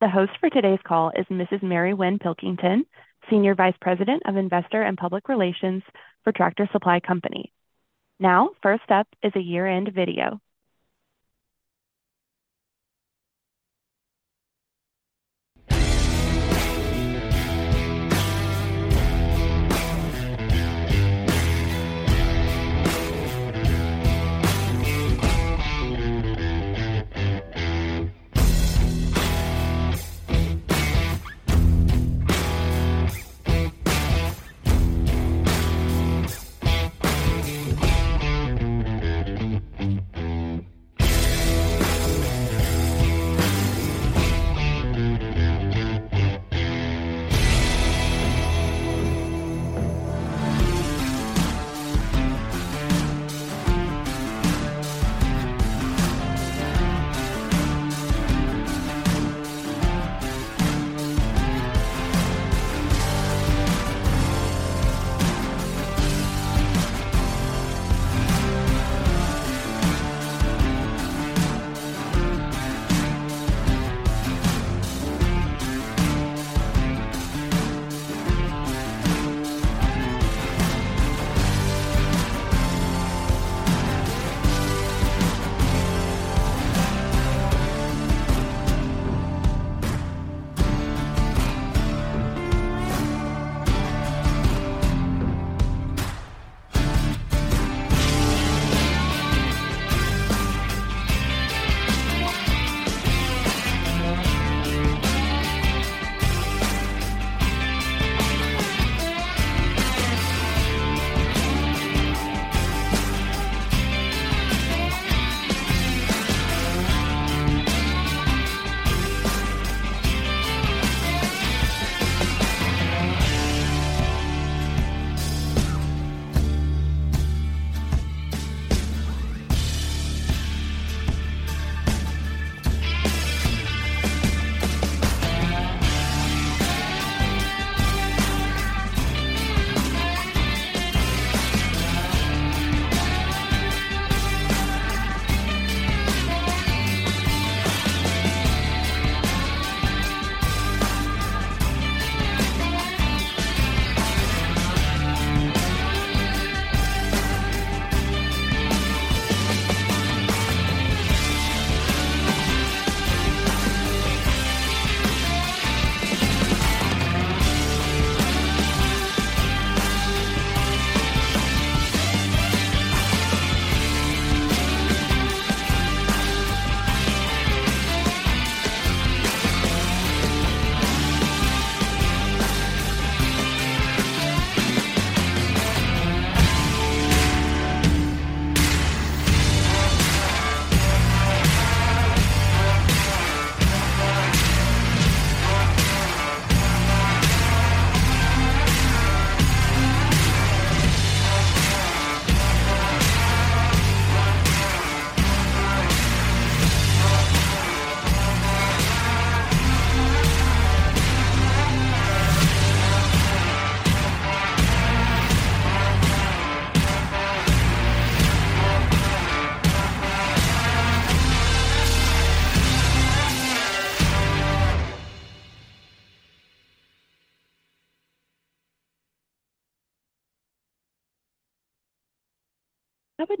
The host for today's call is Mrs. Mary Winn Pilkington, Senior Vice President of Investor Relations and Public Relations for Tractor Supply Company. Now, first up is a year-end video.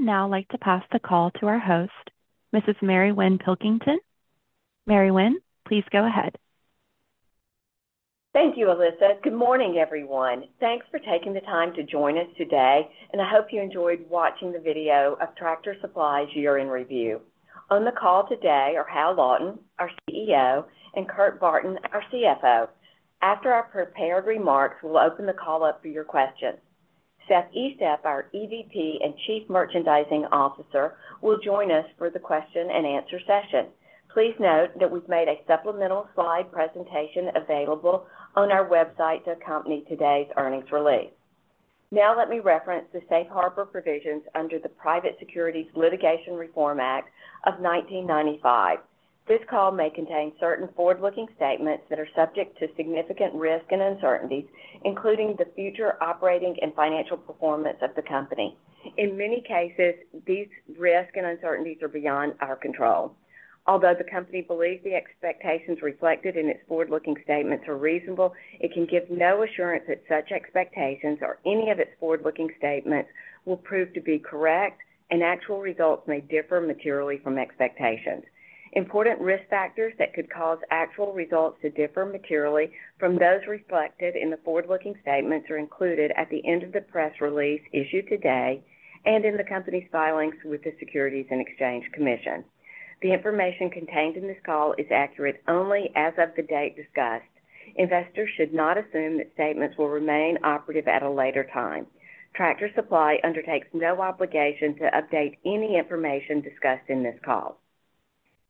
I would now like to pass the call to our host, Mrs. Mary Winn Pilkington. Mary Winn, please go ahead. Thank you, Alyssa. Good morning, everyone. Thanks for taking the time to join us today, and I hope you enjoyed watching the video of Tractor Supply's Year in Review. On the call today are Hal Lawton, our CEO, and Kurt Barton, our CFO. After our prepared remarks, we'll open the call up for your questions. Seth Estep, our EVP and Chief Merchandising Officer, will join us for the question and answer session. Please note that we've made a supplemental slide presentation available on our website to accompany today's earnings release. Now, let me reference the Safe Harbor provisions under the Private Securities Litigation Reform Act of 1995. This call may contain certain forward-looking statements that are subject to significant risk and uncertainties, including the future operating and financial performance of the company. In many cases, these risks and uncertainties are beyond our control. Although the company believes the expectations reflected in its forward-looking statements are reasonable, it can give no assurance that such expectations or any of its forward-looking statements will prove to be correct, and actual results may differ materially from expectations. Important risk factors that could cause actual results to differ materially from those reflected in the forward-looking statements are included at the end of the press release issued today and in the company's filings with the Securities and Exchange Commission. The information contained in this call is accurate only as of the date discussed. Investors should not assume that statements will remain operative at a later time. Tractor Supply undertakes no obligation to update any information discussed in this call.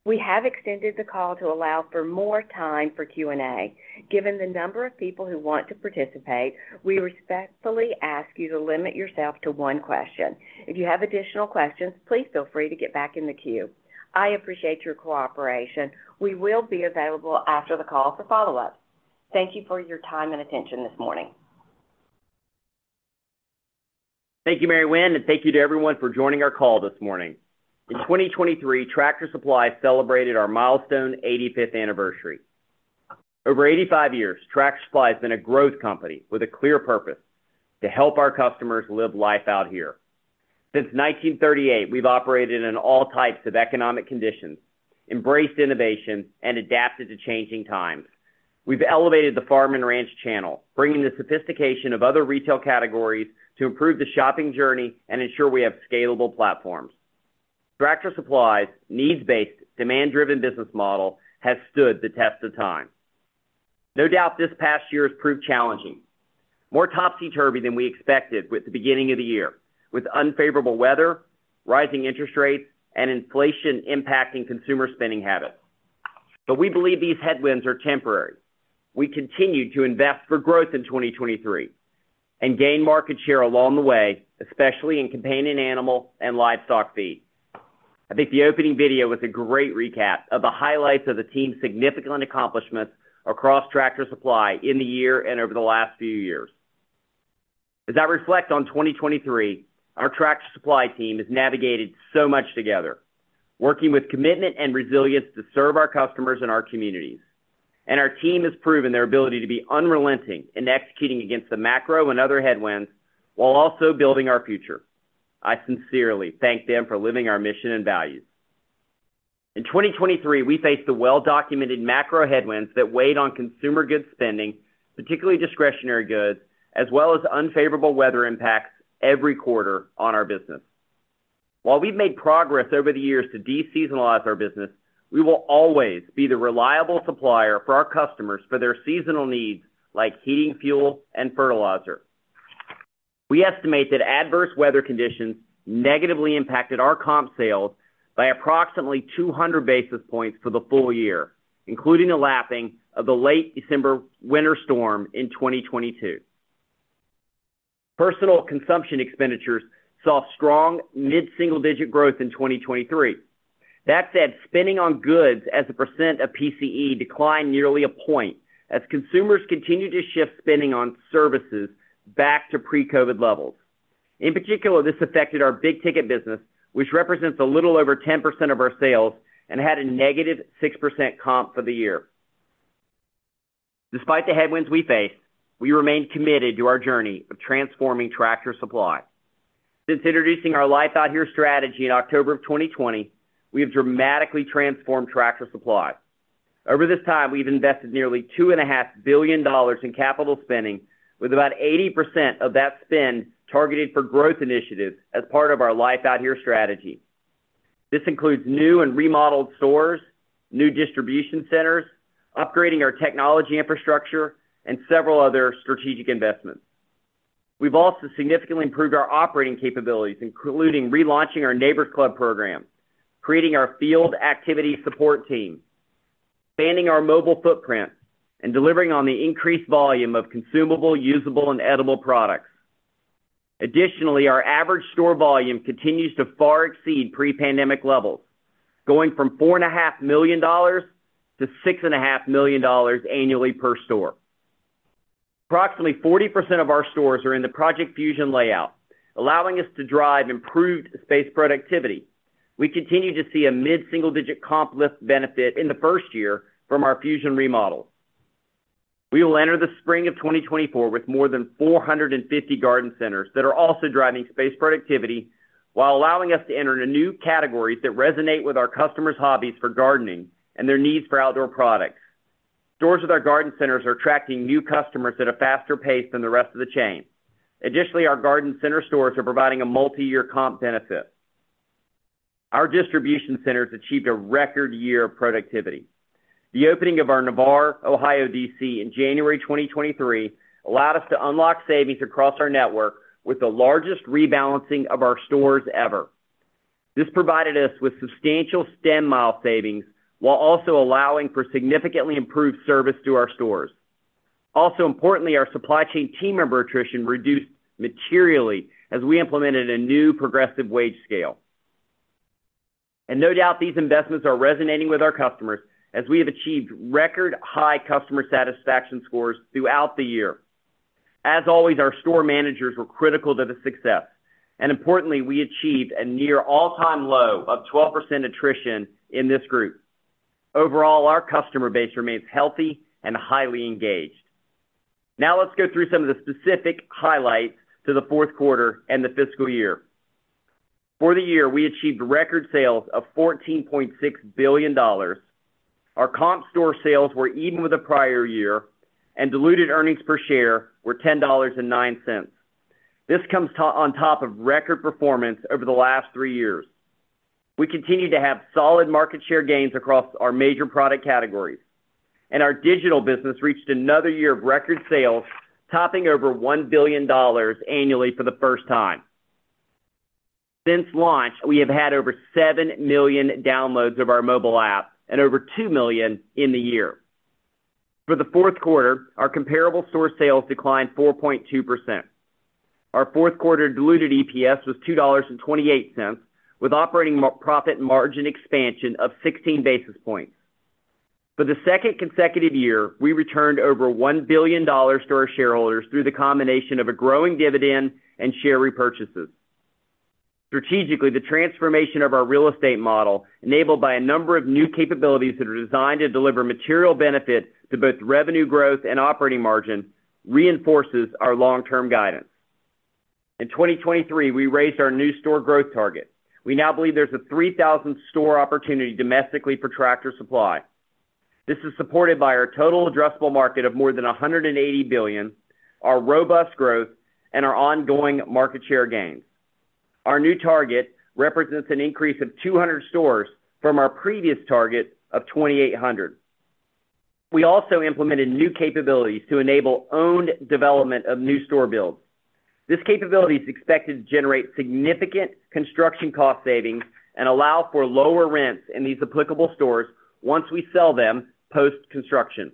We have extended the call to allow for more time for Q&A. Given the number of people who want to participate, we respectfully ask you to limit yourself to one question. If you have additional questions, please feel free to get back in the queue. I appreciate your cooperation. We will be available after the call for follow-up. Thank you for your time and attention this morning. Thank you, Mary Winn, and thank you to everyone for joining our call this morning. In 2023, Tractor Supply celebrated our milestone 85th anniversary. Over 85 years, Tractor Supply has been a growth company with a clear purpose, to help our customers live Life Out Here. Since 1938, we've operated in all types of economic conditions, embraced innovation, and adapted to changing times. We've elevated the farm and ranch channel, bringing the sophistication of other retail categories to improve the shopping journey and ensure we have scalable platforms. Tractor Supply's needs-based, demand-driven business model has stood the test of time. No doubt, this past year has proved challenging, more topsy-turvy than we expected with the beginning of the year, with unfavorable weather, rising interest rates, and inflation impacting consumer spending habits. But we believe these headwinds are temporary. We continued to invest for growth in 2023 and gain market share along the way, especially in companion animal and livestock feed. I think the opening video was a great recap of the highlights of the team's significant accomplishments across Tractor Supply in the year and over the last few years. As I reflect on 2023, our Tractor Supply team has navigated so much together, working with commitment and resilience to serve our customers and our communities. Our team has proven their ability to be unrelenting in executing against the macro and other headwinds while also building our future. I sincerely thank them for living our mission and values. In 2023, we faced the well-documented macro headwinds that weighed on consumer goods spending, particularly discretionary goods, as well as unfavorable weather impacts every quarter on our business. While we've made progress over the years to de-seasonalize our business, we will always be the reliable supplier for our customers for their seasonal needs, like heating, fuel, and fertilizer. We estimate that adverse weather conditions negatively impacted our comp sales by approximately 200 basis points for the full year, including a lapping of the late December winter storm in 2022. Personal consumption expenditures saw strong mid-single-digit growth in 2023. That said, spending on goods as a percent of PCE declined nearly a point as consumers continued to shift spending on services back to pre-COVID levels. In particular, this affected our big ticket business, which represents a little over 10% of our sales and had a -6% comp for the year. Despite the headwinds we face, we remain committed to our journey of transforming Tractor Supply. Since introducing our Life Out Here strategy in October of 2020, we have dramatically transformed Tractor Supply. Over this time, we've invested nearly $2.5 billion in capital spending, with about 80% of that spend targeted for growth initiatives as part of our Life Out Here strategy. This includes new and remodeled stores, new distribution centers, upgrading our technology infrastructure, and several other strategic investments. We've also significantly improved our operating capabilities, including relaunching our Neighbor's Club program, creating our Field Activity Support Team, expanding our mobile footprint, and delivering on the increased volume of consumable, usable, and edible products. Additionally, our average store volume continues to far exceed pre-pandemic levels, going from $4.5 million to $6.5 million annually per store. Approximately 40% of our stores are in the Project Fusion layout, allowing us to drive improved space productivity. We continue to see a mid-single-digit comp lift benefit in the first year from our Fusion remodel. We will enter the spring of 2024 with more than 450 Garden Centers that are also driving space productivity while allowing us to enter into new categories that resonate with our customers' hobbies for gardening and their needs for outdoor products. Stores with our Garden Centers are attracting new customers at a faster pace than the rest of the chain. Additionally, our Garden Center stores are providing a multi-year comp benefit. Our distribution centers achieved a record year of productivity. The opening of our Navarre, Ohio, DC, in January 2023 allowed us to unlock savings across our network with the largest rebalancing of our stores ever. This provided us with substantial stem mile savings, while also allowing for significantly improved service to our stores. Also, importantly, our supply chain team member attrition reduced materially as we implemented a new progressive wage scale. No doubt, these investments are resonating with our customers as we have achieved record-high customer satisfaction scores throughout the year. As always, our store managers were critical to the success, and importantly, we achieved a near all-time low of 12% attrition in this group. Overall, our customer base remains healthy and highly engaged. Now, let's go through some of the specific highlights to the fourth quarter and the fiscal year. For the year, we achieved record sales of $14.6 billion. Our comp store sales were even with the prior year, and diluted earnings per share were $10.09. This comes on top of record performance over the last three years. We continue to have solid market share gains across our major product categories, and our digital business reached another year of record sales, topping over $1 billion annually for the first time. Since launch, we have had over 7 million downloads of our mobile app and over 2 million in the year. For the fourth quarter, our comparable store sales declined 4.2%. Our fourth quarter diluted EPS was $2.28, with operating profit margin expansion of 16 basis points. For the second consecutive year, we returned over $1 billion to our shareholders through the combination of a growing dividend and share repurchases. Strategically, the transformation of our real estate model, enabled by a number of new capabilities that are designed to deliver material benefit to both revenue growth and operating margin, reinforces our long-term guidance. In 2023, we raised our new store growth target. We now believe there's a 3,000 store opportunity domestically for Tractor Supply. This is supported by our total addressable market of more than $180 billion, our robust growth, and our ongoing market share gains. Our new target represents an increase of 200 stores from our previous target of 2,800. We also implemented new capabilities to enable owned development of new store builds. This capability is expected to generate significant construction cost savings and allow for lower rents in these applicable stores once we sell them post-construction.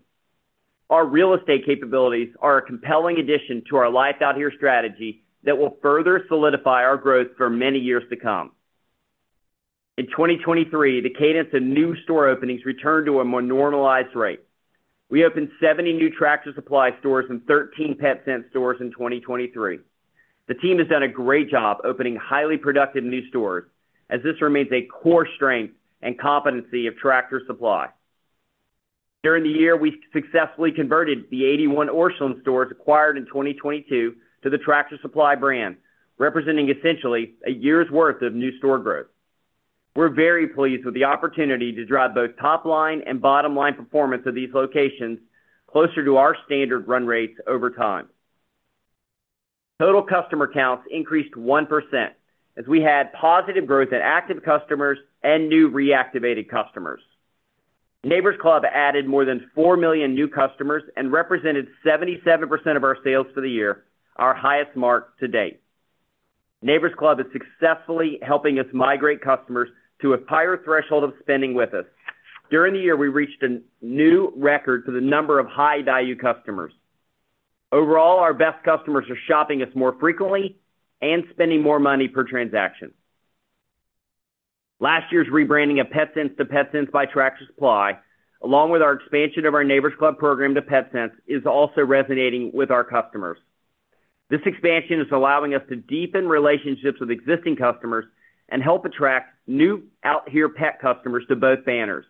Our real estate capabilities are a compelling addition to our Life Out Here strategy that will further solidify our growth for many years to come. In 2023, the cadence of new store openings returned to a more normalized rate. We opened 70 new Tractor Supply stores and 13 Petsense stores in 2023. The team has done a great job opening highly productive new stores, as this remains a core strength and competency of Tractor Supply. During the year, we successfully converted the 81 Orscheln stores acquired in 2022 to the Tractor Supply brand, representing essentially a year's worth of new store growth. We're very pleased with the opportunity to drive both top line and bottom line performance of these locations closer to our standard run rates over time. Total customer counts increased 1%, as we had positive growth in active customers and new reactivated customers. Neighbor's Club added more than 4 million new customers and represented 77% of our sales for the year, our highest mark to date. Neighbor's Club is successfully helping us migrate customers to a higher threshold of spending with us. During the year, we reached a new record for the number of high-value customers. Overall, our best customers are shopping us more frequently and spending more money per transaction. Last year's rebranding of Petsense to Petsense by Tractor Supply, along with our expansion of our Neighbor's Club program to Petsense, is also resonating with our customers. This expansion is allowing us to deepen relationships with existing customers and help attract new Out Here pet customers to both banners.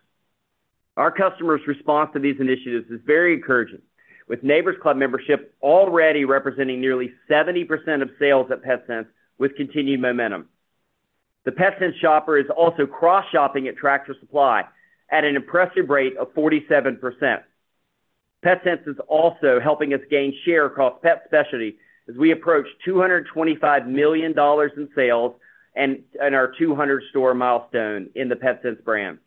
Our customers' response to these initiatives is very encouraging, with Neighbor's Club membership already representing nearly 70% of sales at Petsense, with continued momentum. The Petsense shopper is also cross-shopping at Tractor Supply at an impressive rate of 47%. Petsense is also helping us gain share across pet specialty, as we approach $225 million in sales and our 200-store milestone in the Petsense brand.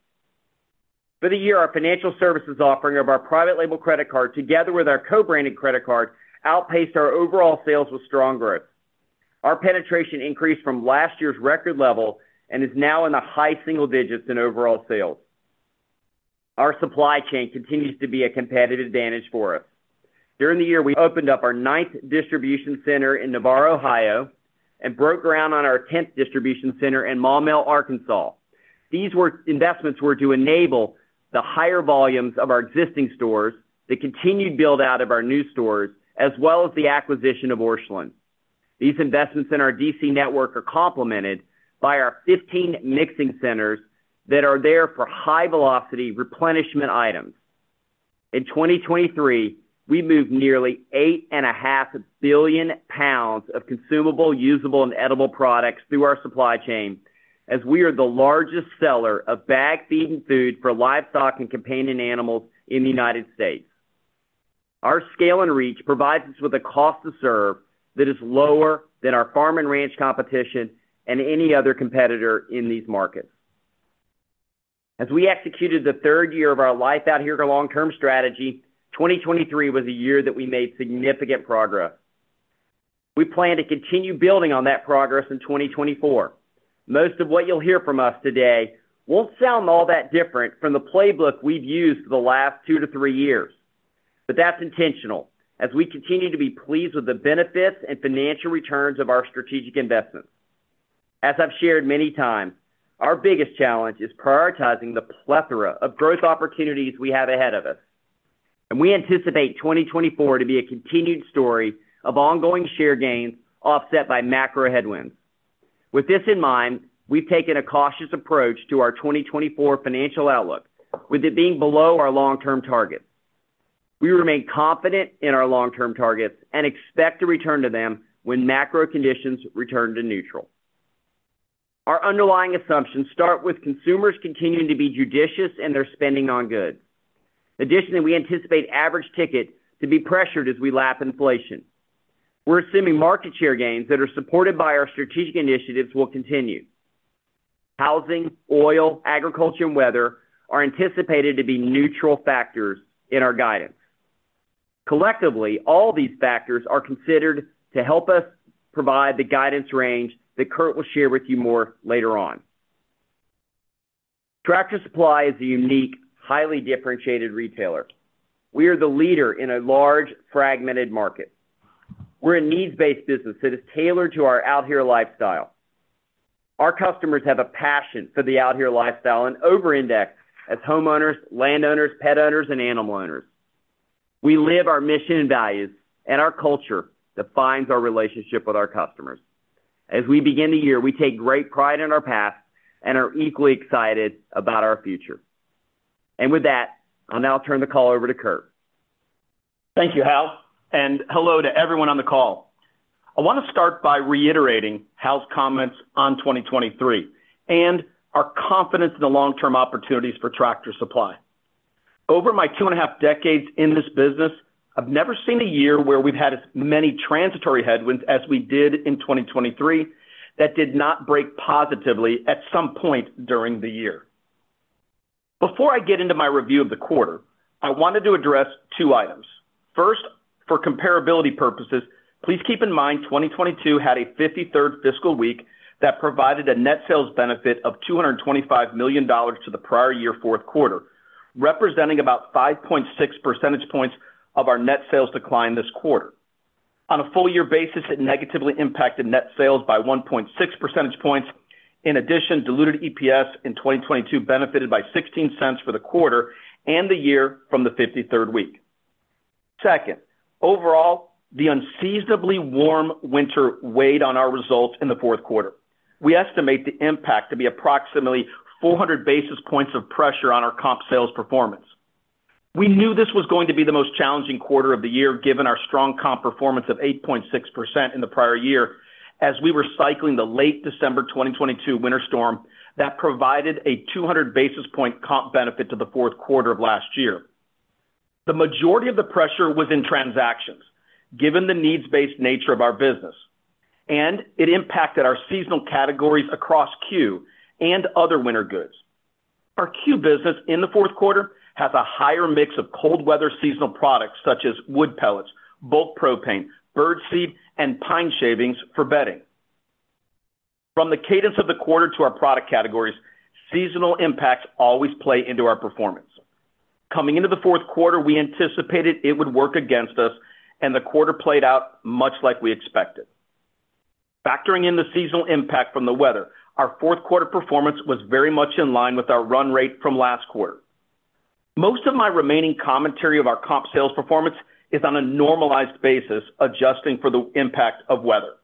For the year, our financial services offering of our private label credit card, together with our co-branded credit card, outpaced our overall sales with strong growth. Our penetration increased from last year's record level and is now in the high single digits in overall sales. Our supply chain continues to be a competitive advantage for us. During the year, we opened up our ninth distribution center in Navarre, Ohio, and broke ground on our tenth distribution center in Maumelle, Arkansas. These investments were to enable the higher volumes of our existing stores, the continued build-out of our new stores, as well as the acquisition of Orscheln. These investments in our DC network are complemented by our 15 mixing centers that are there for high-velocity replenishment items. In 2023, we moved nearly 8.5 billion pounds of consumable, usable, and edible products through our supply chain, as we are the largest seller of bagged feed and food for livestock and companion animals in the United States. Our scale and reach provides us with a cost to serve that is lower than our farm and ranch competition and any other competitor in these markets. As we executed the third year of our Life Out Here long-term strategy, 2023 was a year that we made significant progress. We plan to continue building on that progress in 2024. Most of what you'll hear from us today won't sound all that different from the playbook we've used for the last 2-3 years, but that's intentional, as we continue to be pleased with the benefits and financial returns of our strategic investments. As I've shared many times, our biggest challenge is prioritizing the plethora of growth opportunities we have ahead of us, and we anticipate 2024 to be a continued story of ongoing share gains offset by macro headwinds. With this in mind, we've taken a cautious approach to our 2024 financial outlook, with it being below our long-term targets. We remain confident in our long-term targets and expect to return to them when macro conditions return to neutral. Our underlying assumptions start with consumers continuing to be judicious in their spending on goods. Additionally, we anticipate average ticket to be pressured as we lap inflation. We're assuming market share gains that are supported by our strategic initiatives will continue. Housing, oil, agriculture, and weather are anticipated to be neutral factors in our guidance. Collectively, all these factors are considered to help us provide the guidance range that Kurt will share with you more later on. Tractor Supply is a unique, highly differentiated retailer. We are the leader in a large, fragmented market. We're a needs-based business that is tailored to our Out Here lifestyle. Our customers have a passion for the Out Here lifestyle and over-index as homeowners, landowners, pet owners, and animal owners. We live our mission and values, and our culture defines our relationship with our customers. As we begin the year, we take great pride in our past and are equally excited about our future. With that, I'll now turn the call over to Kurt. Thank you, Hal, and hello to everyone on the call. I want to start by reiterating Hal's comments on 2023 and our confidence in the long-term opportunities for Tractor Supply. Over my 2.5 decades in this business, I've never seen a year where we've had as many transitory headwinds as we did in 2023, that did not break positively at some point during the year. Before I get into my review of the quarter, I wanted to address two items. First, for comparability purposes, please keep in mind, 2022 had a 53rd fiscal week that provided a net sales benefit of $225 million to the prior year fourth quarter, representing about 5.6 percentage points of our net sales decline this quarter. On a full year basis, it negatively impacted net sales by 1.6 percentage points. In addition, diluted EPS in 2022 benefited by $0.16 for the quarter and the year from the 53rd week. Second, overall, the unseasonably warm winter weighed on our results in the fourth quarter. We estimate the impact to be approximately 400 basis points of pressure on our comp sales performance. We knew this was going to be the most challenging quarter of the year, given our strong comp performance of 8.6% in the prior year, as we were cycling the late December 2022 winter storm that provided a 200 basis point comp benefit to the fourth quarter of last year. The majority of the pressure was in transactions, given the needs-based nature of our business, and it impacted our seasonal categories across C.U.E and other winter goods. Our C.U.E business in the fourth quarter has a higher mix of cold weather seasonal products such as wood pellets, bulk propane, bird seed, and pine shavings for bedding. From the cadence of the quarter to our product categories, seasonal impacts always play into our performance. Coming into the fourth quarter, we anticipated it would work against us, and the quarter played out much like we expected. Factoring in the seasonal impact from the weather, our fourth quarter performance was very much in line with our run rate from last quarter. Most of my remaining commentary of our comp sales performance is on a normalized basis, adjusting for the impact of weather.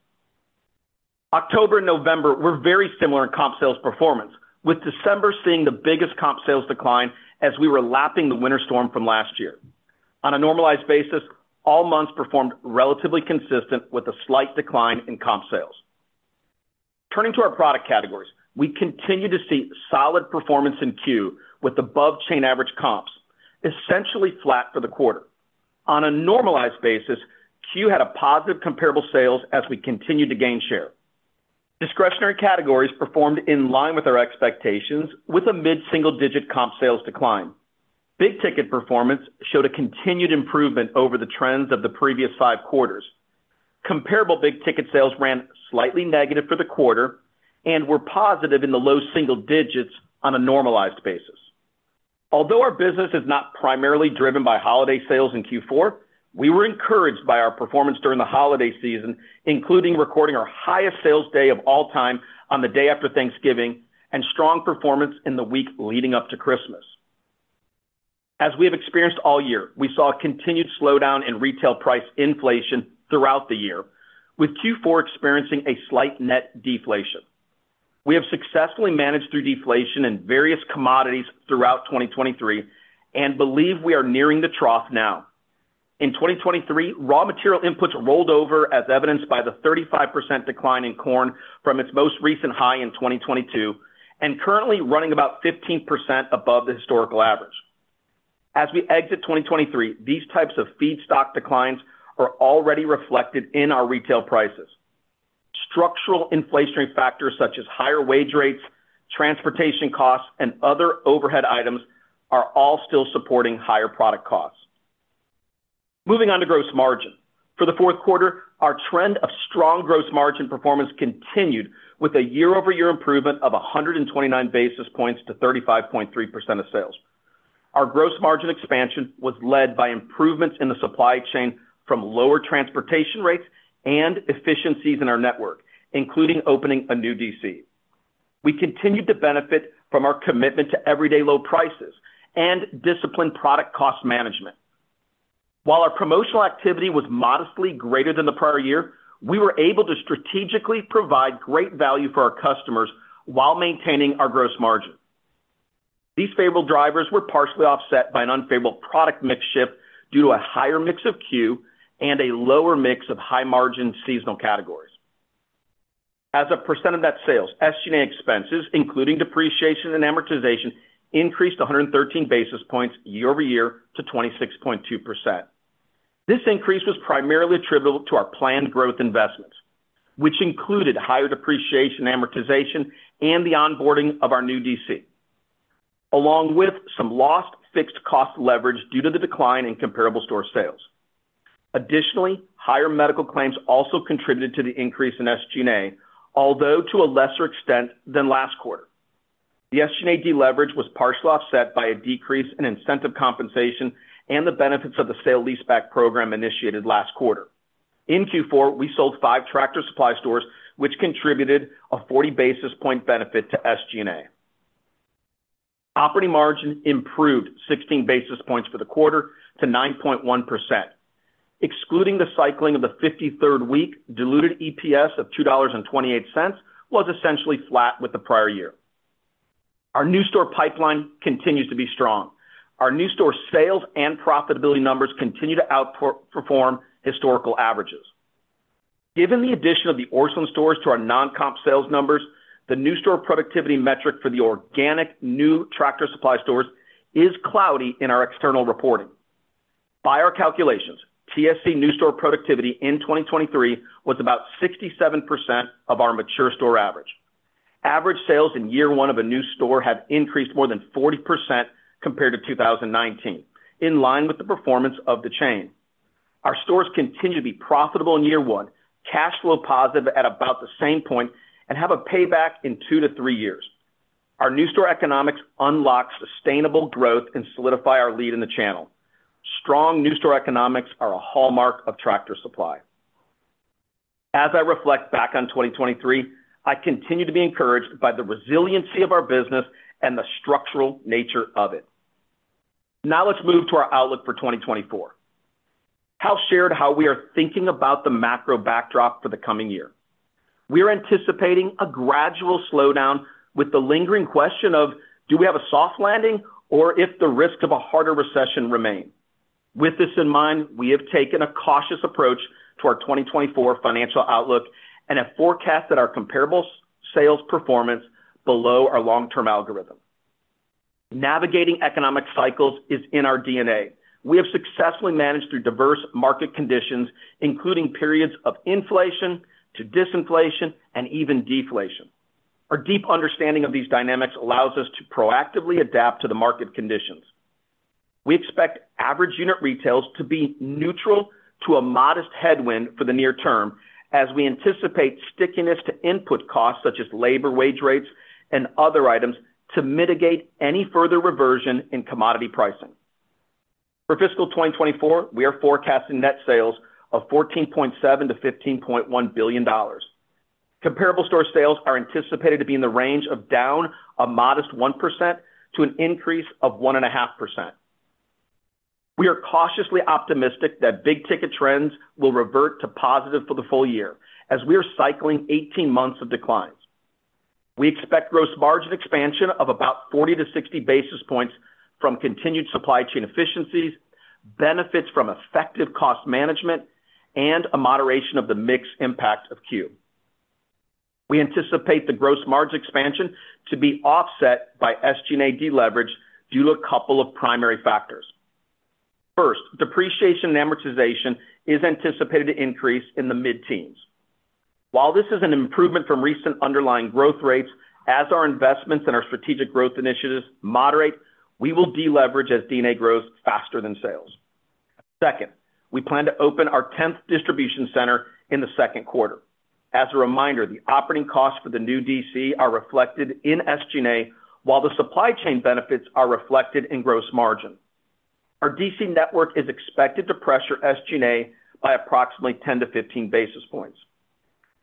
October and November were very similar in comp sales performance, with December seeing the biggest comp sales decline as we were lapping the winter storm from last year. On a normalized basis, all months performed relatively consistent with a slight decline in comp sales. Turning to our product categories, we continue to see solid performance in C.U.E, with above chain average comps, essentially flat for the quarter. On a normalized basis, C.U.E had a positive comparable sales as we continued to gain share. Discretionary categories performed in line with our expectations, with a mid-single-digit comp sales decline. Big ticket performance showed a continued improvement over the trends of the previous five quarters. Comparable big ticket sales ran slightly negative for the quarter and were positive in the low single digits on a normalized basis. Although our business is not primarily driven by holiday sales in Q4, we were encouraged by our performance during the holiday season, including recording our highest sales day of all time on the day after Thanksgiving and strong performance in the week leading up to Christmas. As we have experienced all year, we saw a continued slowdown in retail price inflation throughout the year, with Q4 experiencing a slight net deflation. We have successfully managed through deflation in various commodities throughout 2023 and believe we are nearing the trough now. In 2023, raw material inputs rolled over as evidenced by the 35% decline in corn from its most recent high in 2022 and currently running about 15% above the historical average. As we exit 2023, these types of feedstock declines are already reflected in our retail prices. Structural inflationary factors such as higher wage rates, transportation costs, and other overhead items are all still supporting higher product costs. Moving on to gross margin. For the fourth quarter, our trend of strong gross margin performance continued with a year-over-year improvement of 129 basis points to 35.3% of sales. Our gross margin expansion was led by improvements in the supply chain from lower transportation rates and efficiencies in our network, including opening a new DC. We continued to benefit from our commitment to everyday low prices and disciplined product cost management. While our promotional activity was modestly greater than the prior year, we were able to strategically provide great value for our customers while maintaining our gross margin. These favorable drivers were partially offset by an unfavorable product mix shift due to a higher mix of C.U.E and a lower mix of high-margin seasonal categories. As a percent of net sales, SG&A expenses, including depreciation and amortization, increased 113 basis points year-over-year to 26.2%. This increase was primarily attributable to our planned growth investments, which included higher depreciation and amortization and the onboarding of our new DC, along with some lost fixed cost leverage due to the decline in comparable store sales. Additionally, higher medical claims also contributed to the increase in SG&A, although to a lesser extent than last quarter. The SG&A deleverage was partially offset by a decrease in incentive compensation and the benefits of the sale-leaseback program initiated last quarter. In Q4, we sold 5 Tractor Supply stores, which contributed a 40 basis points benefit to SG&A. Operating margin improved 16 basis points for the quarter to 9.1%. Excluding the cycling of the 53rd week, diluted EPS of $2.28 was essentially flat with the prior year. Our new store pipeline continues to be strong. Our new store sales and profitability numbers continue to out-perform historical averages. Given the addition of the Orscheln stores to our non-comp sales numbers, the new store productivity metric for the organic new Tractor Supply stores is cloudy in our external reporting. By our calculations, TSC new store productivity in 2023 was about 67% of our mature store average. Average sales in year one of a new store have increased more than 40% compared to 2019, in line with the performance of the chain. Our stores continue to be profitable in year one, cash flow positive at about the same point, and have a payback in 2-3 years. Our new store economics unlock sustainable growth and solidify our lead in the channel. Strong new store economics are a hallmark of Tractor Supply. As I reflect back on 2023, I continue to be encouraged by the resiliency of our business and the structural nature of it. Now let's move to our outlook for 2024. Hal shared how we are thinking about the macro backdrop for the coming year. We are anticipating a gradual slowdown with the lingering question of, do we have a soft landing or if the risk of a harder recession remain? With this in mind, we have taken a cautious approach to our 2024 financial outlook and have forecasted our comparable sales performance below our long-term algorithm. Navigating economic cycles is in our D&A. We have successfully managed through diverse market conditions, including periods of inflation to disinflation and even deflation. Our deep understanding of these dynamics allows us to proactively adapt to the market conditions. We expect average unit retail to be neutral to a modest headwind for the near term, as we anticipate stickiness to input costs, such as labor, wage rates, and other items, to mitigate any further reversion in commodity pricing. For fiscal 2024, we are forecasting net sales of $14.7 billion-$15.1 billion. Comparable store sales are anticipated to be in the range of down a modest 1% to an increase of 1.5%. We are cautiously optimistic that big ticket trends will revert to positive for the full year as we are cycling 18 months of declines. We expect gross margin expansion of about 40-60 basis points from continued supply chain efficiencies, benefits from effective cost management, and a moderation of the mix impact of C.U.E. We anticipate the gross margin expansion to be offset by SG&A deleverage due to a couple of primary factors. First, depreciation and amortization is anticipated to increase in the mid-teens. While this is an improvement from recent underlying growth rates, as our investments and our strategic growth initiatives moderate, we will deleverage as D&A grows faster than sales. Second, we plan to open our 10th distribution center in the second quarter. As a reminder, the operating costs for the new DC are reflected in SG&A, while the supply chain benefits are reflected in gross margin. Our DC network is expected to pressure SG&A by approximately 10-15 basis points.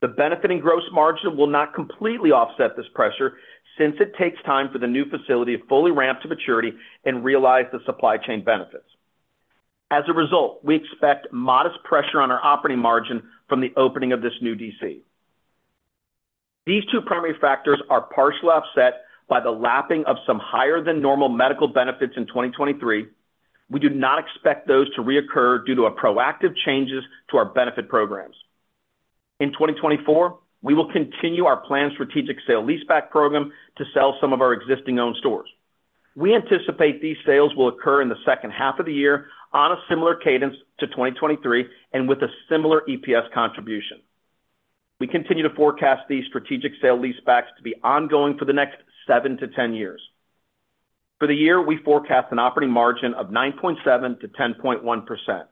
The benefit in gross margin will not completely offset this pressure since it takes time for the new facility to fully ramp to maturity and realize the supply chain benefits. As a result, we expect modest pressure on our operating margin from the opening of this new DC. These two primary factors are partially offset by the lapping of some higher than normal medical benefits in 2023. We do not expect those to reoccur due to proactive changes to our benefit programs. In 2024, we will continue our planned strategic sale-leaseback program to sell some of our existing owned stores. We anticipate these sales will occur in the second half of the year on a similar cadence to 2023 and with a similar EPS contribution. We continue to forecast these strategic sale-leasebacks to be ongoing for the next 7-10 years. For the year, we forecast an operating margin of 9.7%-10.1%.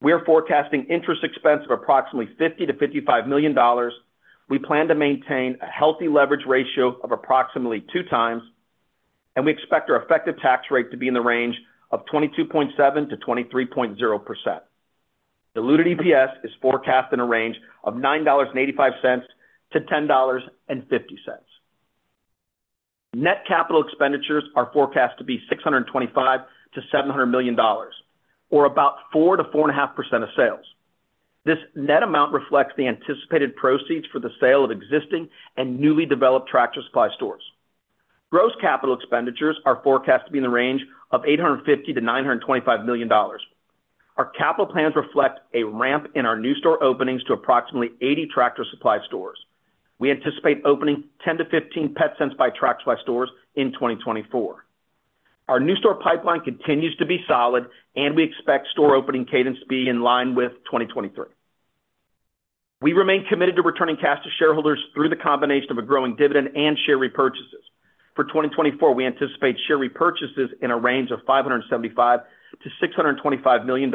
We are forecasting interest expense of approximately $50 million-$55 million. We plan to maintain a healthy leverage ratio of approximately 2 times, and we expect our effective tax rate to be in the range of 22.7%-23.0%. Diluted EPS is forecast in a range of $9.85-$10.50. Net capital expenditures are forecast to be $625 million-$700 million, or about 4%-4.5% of sales. This net amount reflects the anticipated proceeds for the sale of existing and newly developed Tractor Supply stores. Gross capital expenditures are forecast to be in the range of $850 million-$925 million. Our capital plans reflect a ramp in our new store openings to approximately 80 Tractor Supply stores. We anticipate opening 10-15 Petsense by Tractor Supply stores in 2024. Our new store pipeline continues to be solid, and we expect store opening cadence to be in line with 2023. We remain committed to returning cash to shareholders through the combination of a growing dividend and share repurchases. For 2024, we anticipate share repurchases in a range of $575 million-$625 million,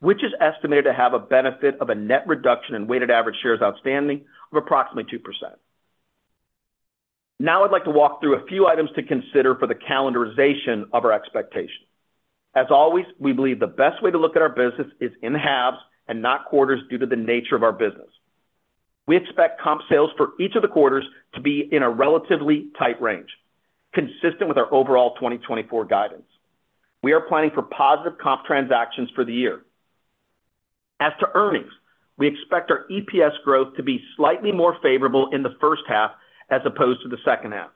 which is estimated to have a benefit of a net reduction in weighted average shares outstanding of approximately 2%. Now I'd like to walk through a few items to consider for the calendarization of our expectations. As always, we believe the best way to look at our business is in halves and not quarters due to the nature of our business. We expect comp sales for each of the quarters to be in a relatively tight range, consistent with our overall 2024 guidance. We are planning for positive comp transactions for the year. As to earnings, we expect our EPS growth to be slightly more favorable in the first half as opposed to the second half.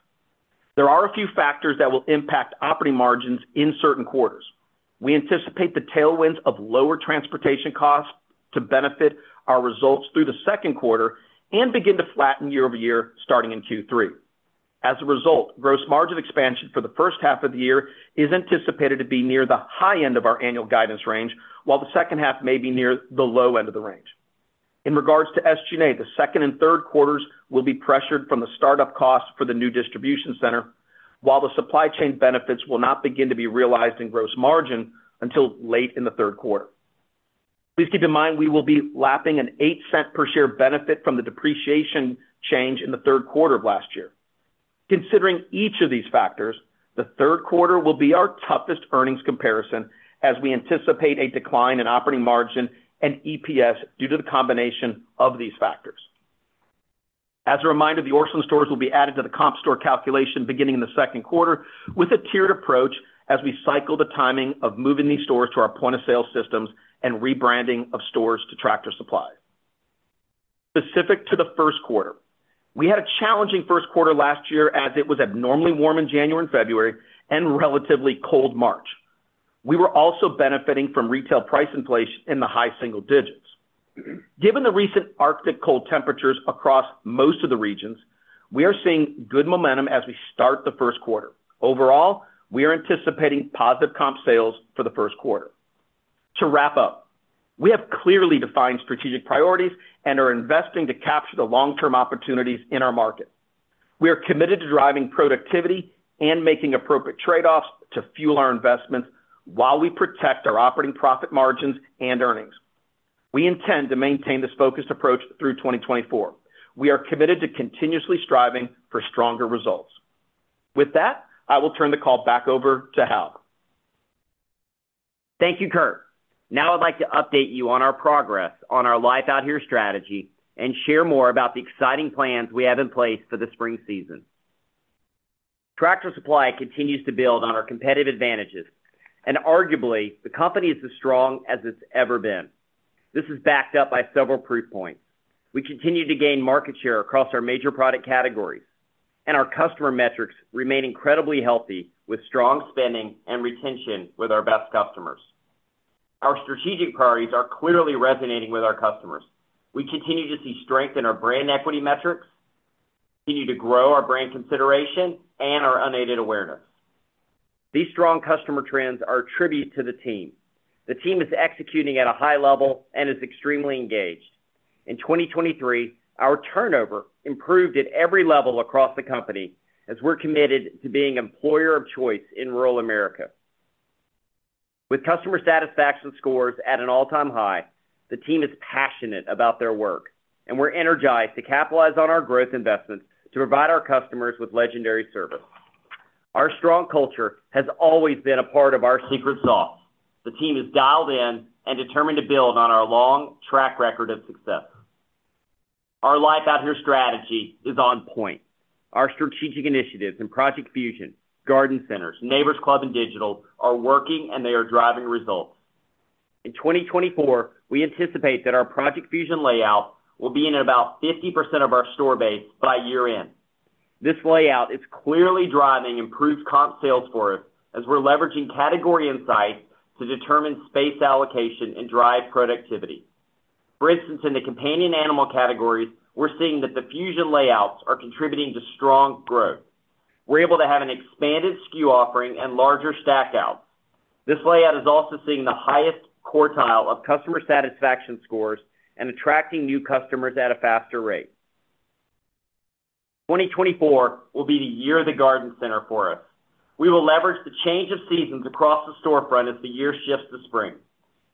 There are a few factors that will impact operating margins in certain quarters. We anticipate the tailwinds of lower transportation costs to benefit our results through the second quarter and begin to flatten year-over-year, starting in Q3. As a result, gross margin expansion for the first half of the year is anticipated to be near the high end of our annual guidance range, while the second half may be near the low end of the range. In regards to SG&A, the second and third quarters will be pressured from the startup costs for the new distribution center, while the supply chain benefits will not begin to be realized in gross margin until late in the third quarter. Please keep in mind, we will be lapping an $0.08 per share benefit from the depreciation change in the third quarter of last year. Considering each of these factors, the third quarter will be our toughest earnings comparison as we anticipate a decline in operating margin and EPS due to the combination of these factors. As a reminder, the Orscheln stores will be added to the comp store calculation beginning in the second quarter, with a tiered approach as we cycle the timing of moving these stores to our point of sale systems and rebranding of stores to Tractor Supply. Specific to the first quarter, we had a challenging first quarter last year as it was abnormally warm in January and February and relatively cold March. We were also benefiting from retail price inflation in the high single digits. Given the recent Arctic cold temperatures across most of the regions, we are seeing good momentum as we start the first quarter. Overall, we are anticipating positive comp sales for the first quarter. To wrap up, we have clearly defined strategic priorities and are investing to capture the long-term opportunities in our market. We are committed to driving productivity and making appropriate trade-offs to fuel our investments while we protect our operating profit margins and earnings. We intend to maintain this focused approach through 2024. We are committed to continuously striving for stronger results. With that, I will turn the call back over to Hal. Thank you, Kurt. Now I'd like to update you on our progress on our Life Out Here strategy and share more about the exciting plans we have in place for the spring season. Tractor Supply continues to build on our competitive advantages, and arguably, the company is as strong as it's ever been. This is backed up by several proof points. We continue to gain market share across our major product categories, and our customer metrics remain incredibly healthy, with strong spending and retention with our best customers. Our strategic priorities are clearly resonating with our customers. We continue to see strength in our brand equity metrics, continue to grow our brand consideration and our unaided awareness. These strong customer trends are a tribute to the team. The team is executing at a high level and is extremely engaged. In 2023, our turnover improved at every level across the company as we're committed to being employer of choice in rural America. With customer satisfaction scores at an all-time high, the team is passionate about their work, and we're energized to capitalize on our growth investments to provide our customers with legendary service. Our strong culture has always been a part of our secret sauce. The team is dialed in and determined to build on our long track record of success. Our Life Out Here strategy is on point. Our strategic initiatives in Project Fusion, Garden Centers, Neighbor's Club, and Digital are working, and they are driving results. In 2024, we anticipate that our Project Fusion layout will be in about 50% of our store base by year-end. This layout is clearly driving improved comp sales for us as we're leveraging category insights to determine space allocation and drive productivity. For instance, in the companion animal categories, we're seeing that the Fusion layouts are contributing to strong growth. We're able to have an expanded SKU offering and larger stackouts. This layout is also seeing the highest quartile of customer satisfaction scores and attracting new customers at a faster rate. 2024 will be the year of the Garden Center for us. We will leverage the change of seasons across the storefront as the year shifts to spring.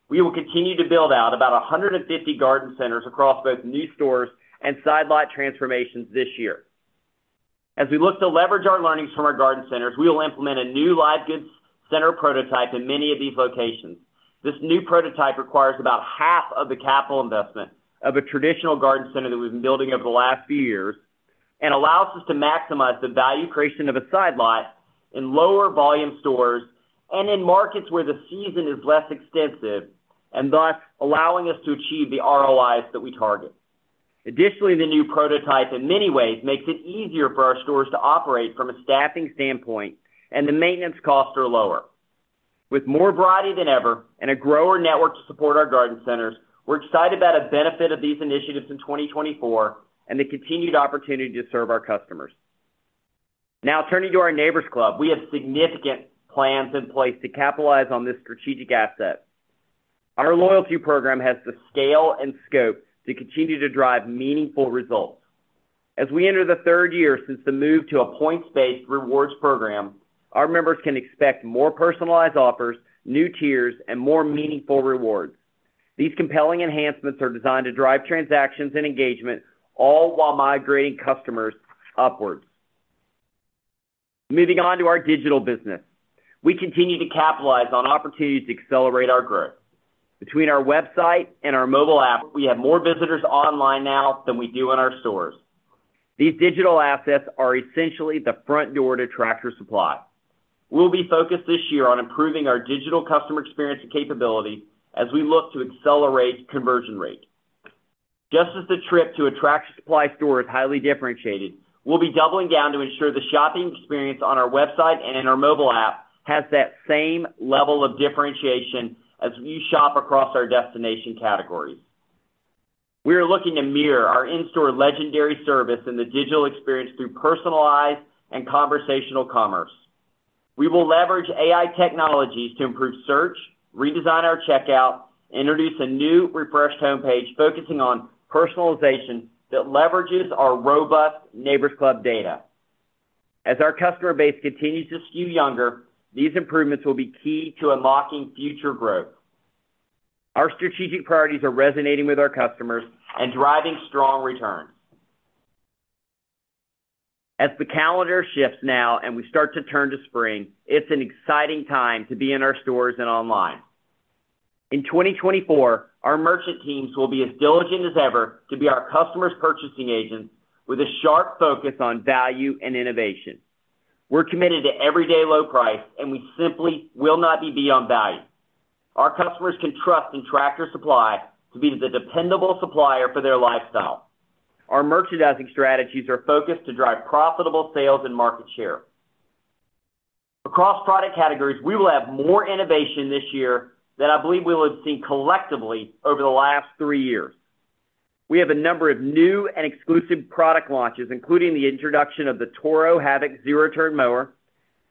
We will continue to build out about 150 Garden Centers across both new stores and sidelight transformations this year. As we look to leverage our learnings from our Garden Centers, we will implement a new Live Goods center prototype in many of these locations. This new prototype requires about half of the capital investment of a traditional Garden Center that we've been building over the last few years and allows us to maximize the value creation of a side lot in lower volume stores and in markets where the season is less extensive, and thus, allowing us to achieve the ROIs that we target. Additionally, the new prototype, in many ways, makes it easier for our stores to operate from a staffing standpoint, and the maintenance costs are lower. With more variety than ever and a grower network to support our Garden Centers, we're excited about a benefit of these initiatives in 2024 and the continued opportunity to serve our customers. Now, turning to our Neighbor's Club, we have significant plans in place to capitalize on this strategic asset. Our loyalty program has the scale and scope to continue to drive meaningful results. As we enter the third year since the move to a points-based rewards program, our members can expect more personalized offers, new tiers, and more meaningful rewards. These compelling enhancements are designed to drive transactions and engagement, all while migrating customers upwards. Moving on to our digital business. We continue to capitalize on opportunities to accelerate our growth. Between our website and our mobile app, we have more visitors online now than we do in our stores. These digital assets are essentially the front door to Tractor Supply. We'll be focused this year on improving our digital customer experience and capability as we look to accelerate conversion rate. Just as the trip to a Tractor Supply store is highly differentiated, we'll be doubling down to ensure the shopping experience on our website and in our mobile app has that same level of differentiation as you shop across our destination categories. We are looking to mirror our in-store legendary service and the digital experience through personalized and conversational commerce. We will leverage AI technologies to improve search, redesign our checkout, introduce a new refreshed homepage, focusing on personalization that leverages our robust Neighbor's Club data. As our customer base continues to skew younger, these improvements will be key to unlocking future growth. Our strategic priorities are resonating with our customers and driving strong returns. As the calendar shifts now and we start to turn to spring, it's an exciting time to be in our stores and online. In 2024, our merchant teams will be as diligent as ever to be our customers' purchasing agents, with a sharp focus on value and innovation. We're committed to everyday low price, and we simply will not be beat on value. Our customers can trust in Tractor Supply to be the dependable supplier for their lifestyle. Our merchandising strategies are focused to drive profitable sales and market share. Across product categories, we will have more innovation this year than I believe we will have seen collectively over the last three years. We have a number of new and exclusive product launches, including the introduction of the Toro Havoc Zero-Turn Mower,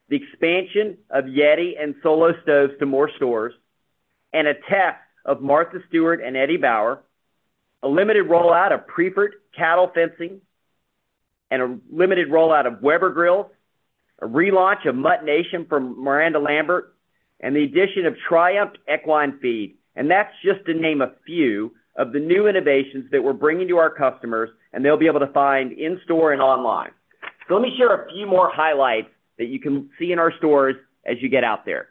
the expansion of YETI and Solo Stove to more stores, and a test of Martha Stewart and Eddie Bauer, a limited rollout of Priefert cattle fencing, and a limited rollout of Weber grills, a relaunch of MuttNation from Miranda Lambert, and the addition of Triumph Equine Feed. That's just to name a few of the new innovations that we're bringing to our customers, and they'll be able to find in store and online. So let me share a few more highlights that you can see in our stores as you get out there.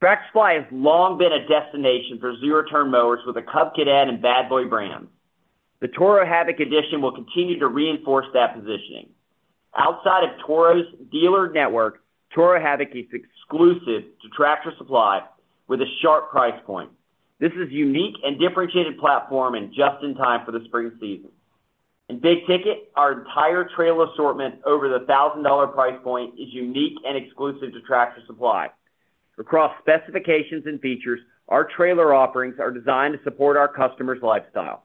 Tractor Supply has long been a destination for zero-turn mowers with a Cub Cadet and Bad Boy brand. The Toro Havoc edition will continue to reinforce that positioning. Outside of Toro's dealer network, Toro Havoc is exclusive to Tractor Supply with a sharp price point. This is unique and differentiated platform and just in time for the spring season. In big-ticket, our entire trailer assortment over the $1,000 price point is unique and exclusive to Tractor Supply. Across specifications and features, our trailer offerings are designed to support our customers' lifestyle.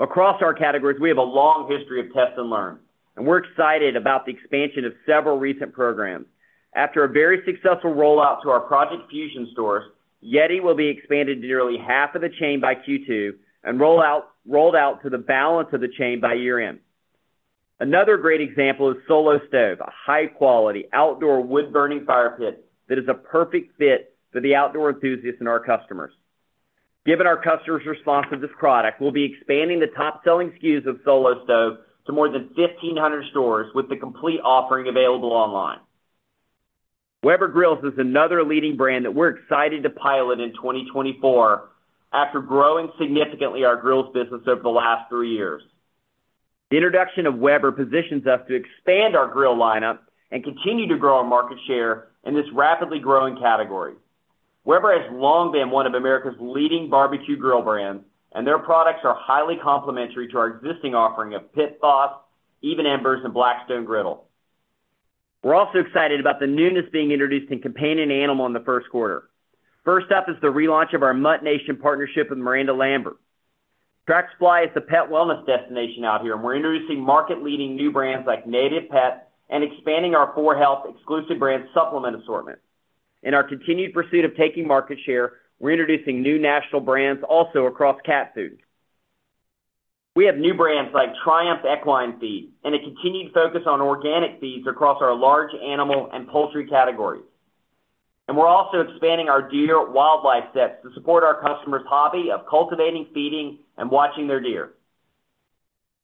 Across our categories, we have a long history of test and learn, and we're excited about the expansion of several recent programs. After a very successful rollout to our Project Fusion stores, YETI will be expanded to nearly half of the chain by Q2, and rolled out to the balance of the chain by year-end. Another great example is Solo Stove, a high-quality outdoor wood-burning fire pit that is a perfect fit for the outdoor enthusiasts and our customers. Given our customers' response to this product, we'll be expanding the top-selling SKUs of Solo Stove to more than 1,500 stores, with the complete offering available online. Weber Grills is another leading brand that we're excited to pilot in 2024 after growing significantly our grills business over the last three years. The introduction of Weber positions us to expand our grill lineup and continue to grow our market share in this rapidly growing category. Weber has long been one of America's leading barbecue grill brands, and their products are highly complementary to our existing offering of Pit Boss, Even Embers, and Blackstone Griddle. We're also excited about the newness being introduced in companion animal in the first quarter. First up is the relaunch of our MuttNation partnership with Miranda Lambert. Tractor Supply is a pet wellness destination out here, and we're introducing market-leading new brands like Native Pet and expanding our 4health exclusive brand supplement assortment. In our continued pursuit of taking market share, we're introducing new national brands also across cat food. We have new brands like Triumph Equine Feed, and a continued focus on organic feeds across our large animal and poultry categories. And we're also expanding our deer wildlife sets to support our customers' hobby of cultivating, feeding, and watching their deer.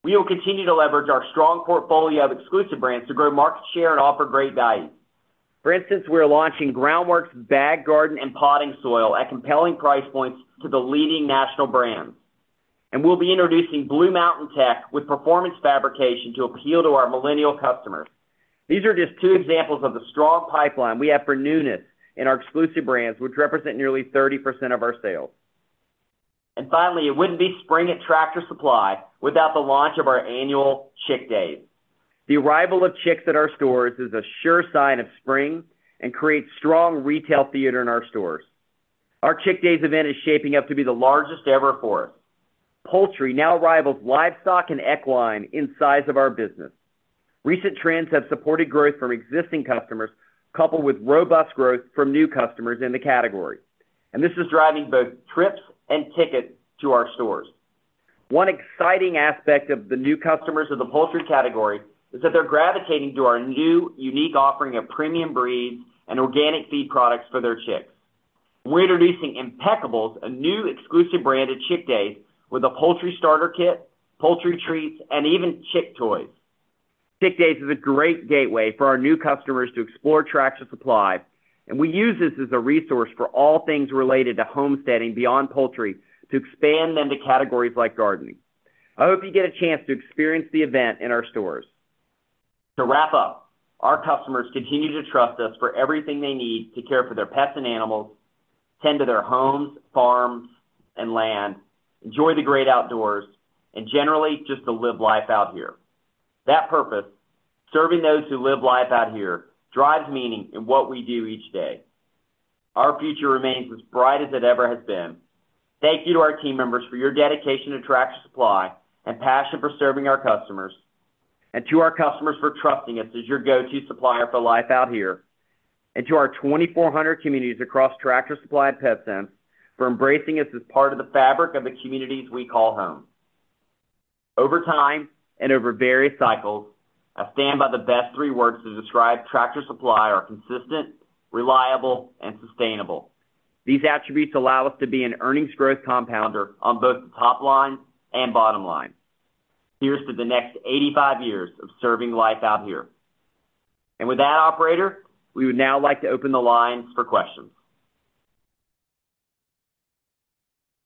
We will continue to leverage our strong portfolio of exclusive brands to grow market share and offer great value. For instance, we're launching Groundwork bagged garden and potting soil at compelling price points to the leading national brands. And we'll be introducing Blue Mountain Tech with performance fabrication to appeal to our millennial customers. These are just two examples of the strong pipeline we have for newness in our exclusive brands, which represent nearly 30% of our sales. And finally, it wouldn't be spring at Tractor Supply without the launch of our annual Chick Days. The arrival of chicks at our stores is a sure sign of spring and creates strong retail theater in our stores. Our Chick Days event is shaping up to be the largest ever for us. Poultry now rivals livestock and equine in size of our business. Recent trends have supported growth from existing customers, coupled with robust growth from new customers in the category. This is driving both trips and tickets to our stores. One exciting aspect of the new customers of the poultry category is that they're gravitating to our new unique offering of premium breeds and organic feed products for their chicks. We're introducing Impeckables, a new exclusive brand at Chick Days, with a poultry starter kit, poultry treats, and even chick toys. Chick Days is a great gateway for our new customers to explore Tractor Supply, and we use this as a resource for all things related to homesteading beyond poultry to expand them to categories like gardening. I hope you get a chance to experience the event in our stores. To wrap up, our customers continue to trust us for everything they need to care for their pets and animals, tend to their homes, farms, and land, enjoy the great outdoors, and generally, just to Live Life Out Here. That purpose, serving those who Live Life Out Here, drives meaning in what we do each day. Our future remains as bright as it ever has been. Thank you to our team members for your dedication to Tractor Supply and passion for serving our customers, and to our customers for trusting us as your go-to supplier for Life Out Here, and to our 2,400 communities across Tractor Supply and Petsense for embracing us as part of the fabric of the communities we call home. Over time and over various cycles, I stand by the best three words to describe Tractor Supply are consistent, reliable, and sustainable. These attributes allow us to be an earnings growth compounder on both the top line and bottom line. Here's to the next 85 years of serving Life Out Here. And with that, operator, we would now like to open the lines for questions.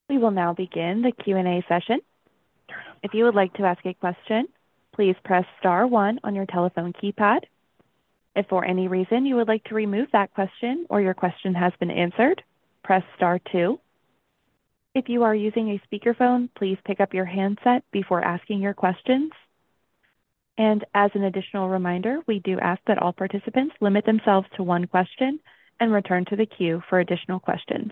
We will now begin the Q&A session. If you would like to ask a question, please press star one on your telephone keypad. If for any reason you would like to remove that question or your question has been answered, press star two. If you are using a speakerphone, please pick up your handset before asking your questions. And as an additional reminder, we do ask that all participants limit themselves to one question and return to the queue for additional questions.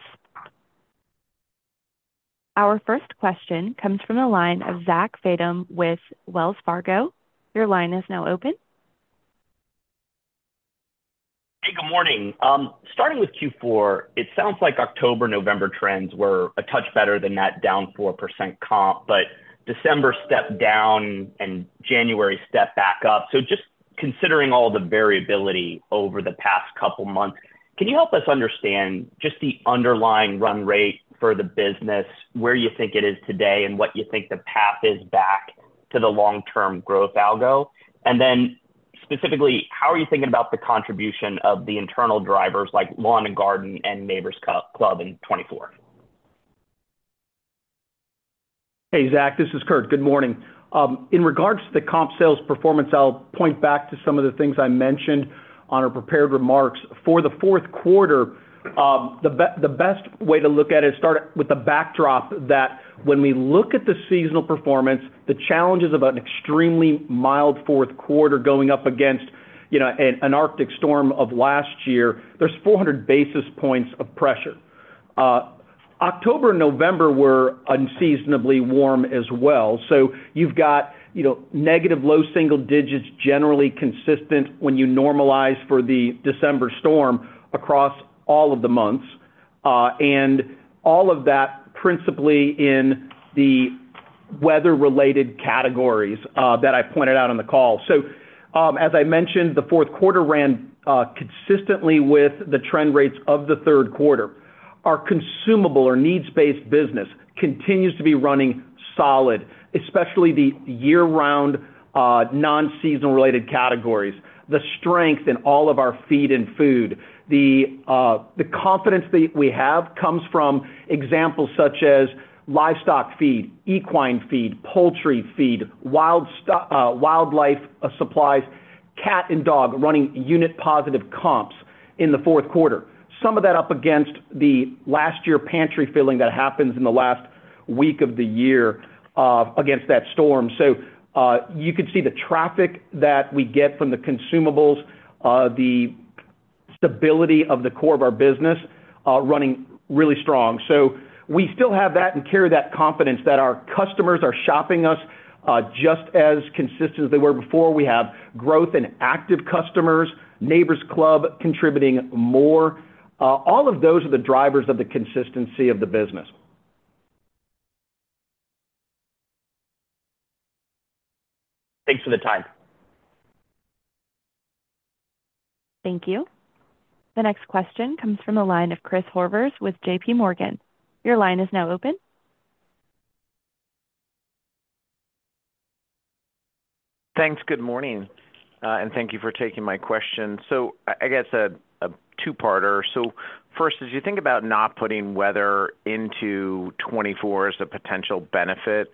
Our first question comes from the line of Zach Fadem with Wells Fargo. Your line is now open. Hey, good morning. Starting with Q4, it sounds like October, November trends were a touch better than that, down 4% comp, but December stepped down and January stepped back up. So just considering all the variability over the past couple of months, can you help us understand just the underlying run rate for the business, where you think it is today, and what you think the path is back to the long-term growth algo? And then specifically, how are you thinking about the contribution of the internal drivers like Lawn and Garden and Neighbor's Club in 2024? Hey, Zach, this is Kurt. Good morning. In regards to the comp sales performance, I'll point back to some of the things I mentioned on our prepared remarks. For the fourth quarter, the best way to look at it, start with the backdrop that when we look at the seasonal performance, the challenges of an extremely mild fourth quarter going up against, you know, an Arctic storm of last year, there's 400 basis points of pressure. October and November were unseasonably warm as well. So you've got, you know, negative low single digits, generally consistent when you normalize for the December storm across all of the months, and all of that, principally in the weather-related categories, that I pointed out on the call. So, as I mentioned, the fourth quarter ran consistently with the trend rates of the third quarter. Our consumable or needs-based business continues to be running solid, especially the year-round non-seasonal related categories, the strength in all of our feed and food. The confidence that we have comes from examples such as livestock feed, equine feed, poultry feed, wildlife supplies, cat and dog, running unit positive comps in the fourth quarter. Some of that up against the last year pantry filling that happens in the last week of the year against that storm. So you can see the traffic that we get from the consumables, the stability of the core of our business running really strong. So we still have that and carry that confidence that our customers are shopping us, just as consistent as they were before. We have growth in active customers, Neighbor's Club contributing more. All of those are the drivers of the consistency of the business. Thanks for the time. Thank you. The next question comes from the line of Chris Horvers with JPMorgan. Your line is now open. Thanks. Good morning, and thank you for taking my question. So I guess a two-parter. So first, as you think about not putting weather into 2024 as a potential benefit,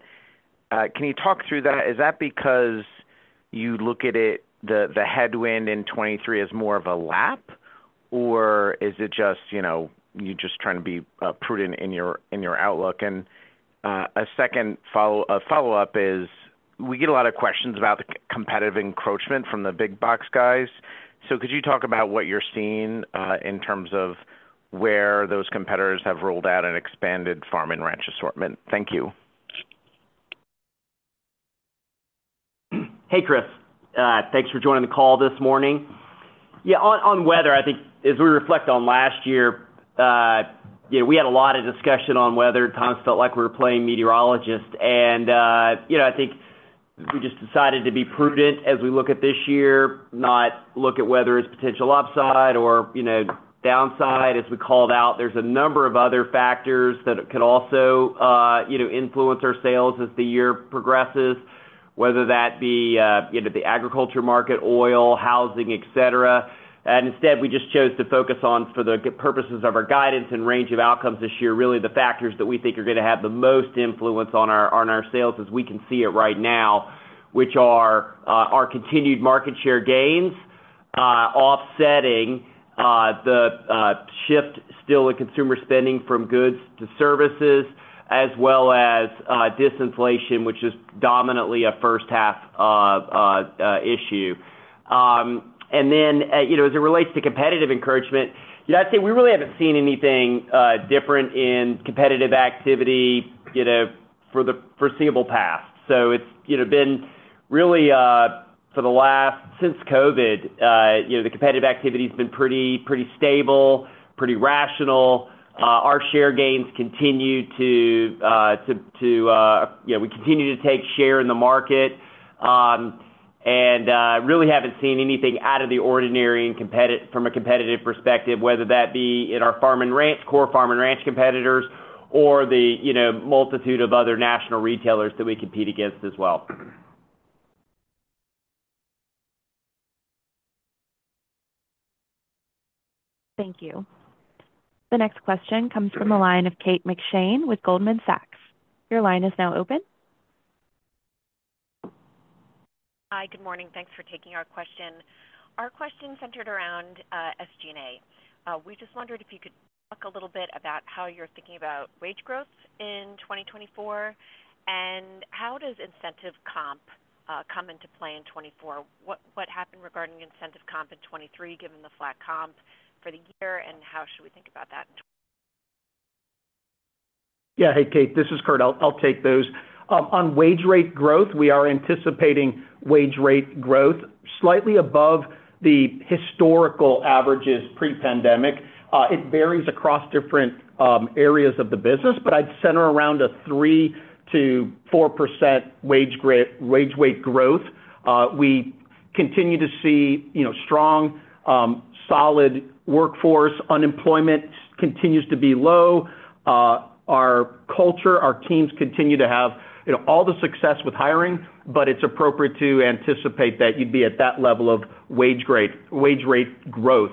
can you talk through that? Is that because you look at it, the headwind in 2023 as more of a lap, or is it just, you know, you're just trying to be prudent in your outlook? And a second follow-up is, we get a lot of questions about the competitive encroachment from the big box guys. So could you talk about what you're seeing in terms of where those competitors have rolled out an expanded farm and ranch assortment? Thank you. Hey, Chris, thanks for joining the call this morning. Yeah, on weather, I think as we reflect on last year, you know, we had a lot of discussion on weather. At times, it felt like we were playing meteorologist. And, you know, I think we just decided to be prudent as we look at this year, not look at weather as potential upside or, you know, downside. As we called out, there's a number of other factors that could also, you know, influence our sales as the year progresses, whether that be the agriculture market, oil, housing, etc. And instead, we just chose to focus on, for the purposes of our guidance and range of outcomes this year, really the factors that we think are going to have the most influence on our sales as we can see it right now, which are our continued market share gains offsetting the shift still in consumer spending from goods to services, as well as disinflation, which is dominantly a first half issue. And then, you know, as it relates to competitive encouragement, yeah, I'd say we really haven't seen anything different in competitive activity, you know, for the foreseeable past. So it's, you know, been really for the last—since COVID, you know, the competitive activity has been pretty, pretty stable, pretty rational. Our share gains continue to... Yeah, we continue to take share in the market. Really haven't seen anything out of the ordinary from a competitive perspective, whether that be in our farm and ranch core farm and ranch competitors or the, you know, multitude of other national retailers that we compete against as well. Thank you. The next question comes from the line of Kate McShane with Goldman Sachs. Your line is now open. Hi, good morning. Thanks for taking our question. Our question centered around SG&A. We just wondered if you could talk a little bit about how you're thinking about wage growth in 2024, and how does incentive comp come into play in 2024? What, what happened regarding incentive comp in 2023, given the flat comp for the year, and how should we think about that? Yeah. Hey, Kate, this is Kurt. I'll take those. On wage rate growth, we are anticipating wage rate growth slightly above the historical averages pre-pandemic. It varies across different areas of the business, but I'd center around a 3%-4% wage rate growth. We continue to see, you know, strong, solid workforce. Unemployment continues to be low. Our culture, our teams continue to have, you know, all the success with hiring, but it's appropriate to anticipate that you'd be at that level of wage rate growth.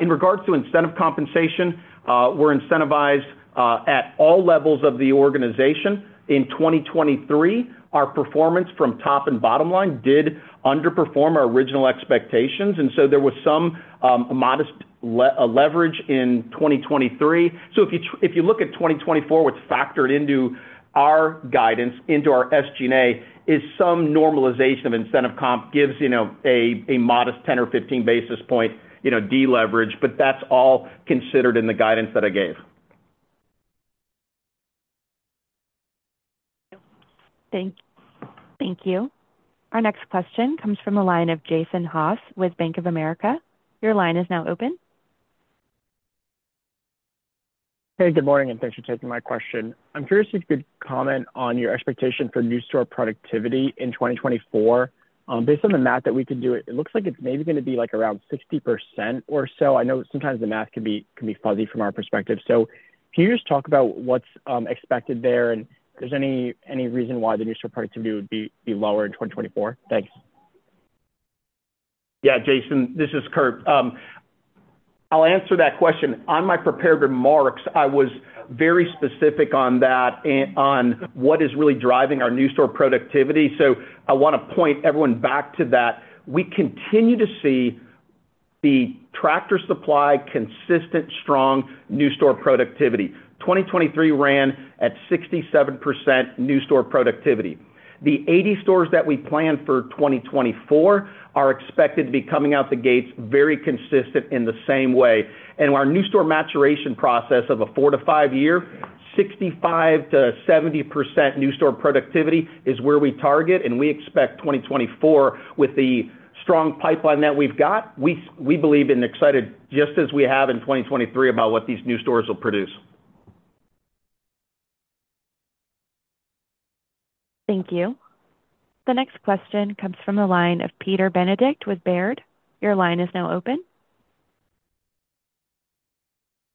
In regards to incentive compensation, we're incentivized at all levels of the organization. In 2023, our performance from top and bottom line did underperform our original expectations, and so there was some modest leverage in 2023. So if you look at 2024, what's factored into our guidance, into our SG&A, is some normalization of incentive comp, gives, you know, a modest 10 or 15 basis point, you know, deleverage, but that's all considered in the guidance that I gave. Thank you. Our next question comes from the line of Jason Haas with Bank of America. Your line is now open. Hey, good morning, and thanks for taking my question. I'm curious if you could comment on your expectation for new store productivity in 2024. Based on the math that we could do, it looks like it's maybe gonna be, like, around 60% or so. I know sometimes the math can be fuzzy from our perspective. So can you just talk about what's expected there, and if there's any reason why the new store productivity would be lower in 2024? Thanks. Yeah, Jason, this is Kurt. I'll answer that question. On my prepared remarks, I was very specific on that, and on what is really driving our new store productivity. So I want to point everyone back to that. We continue to see the Tractor Supply consistent, strong new store productivity. 2023 ran at 67% new store productivity. The 80 stores that we planned for 2024 are expected to be coming out the gates very consistent in the same way. And our new store maturation process of a 4- to 5-year, 65%-70% new store productivity is where we target, and we expect 2024, with the strong pipeline that we've got, we, we believe and excited, just as we have in 2023, about what these new stores will produce. Thank you. The next question comes from the line of Peter Benedict with Baird. Your line is now open.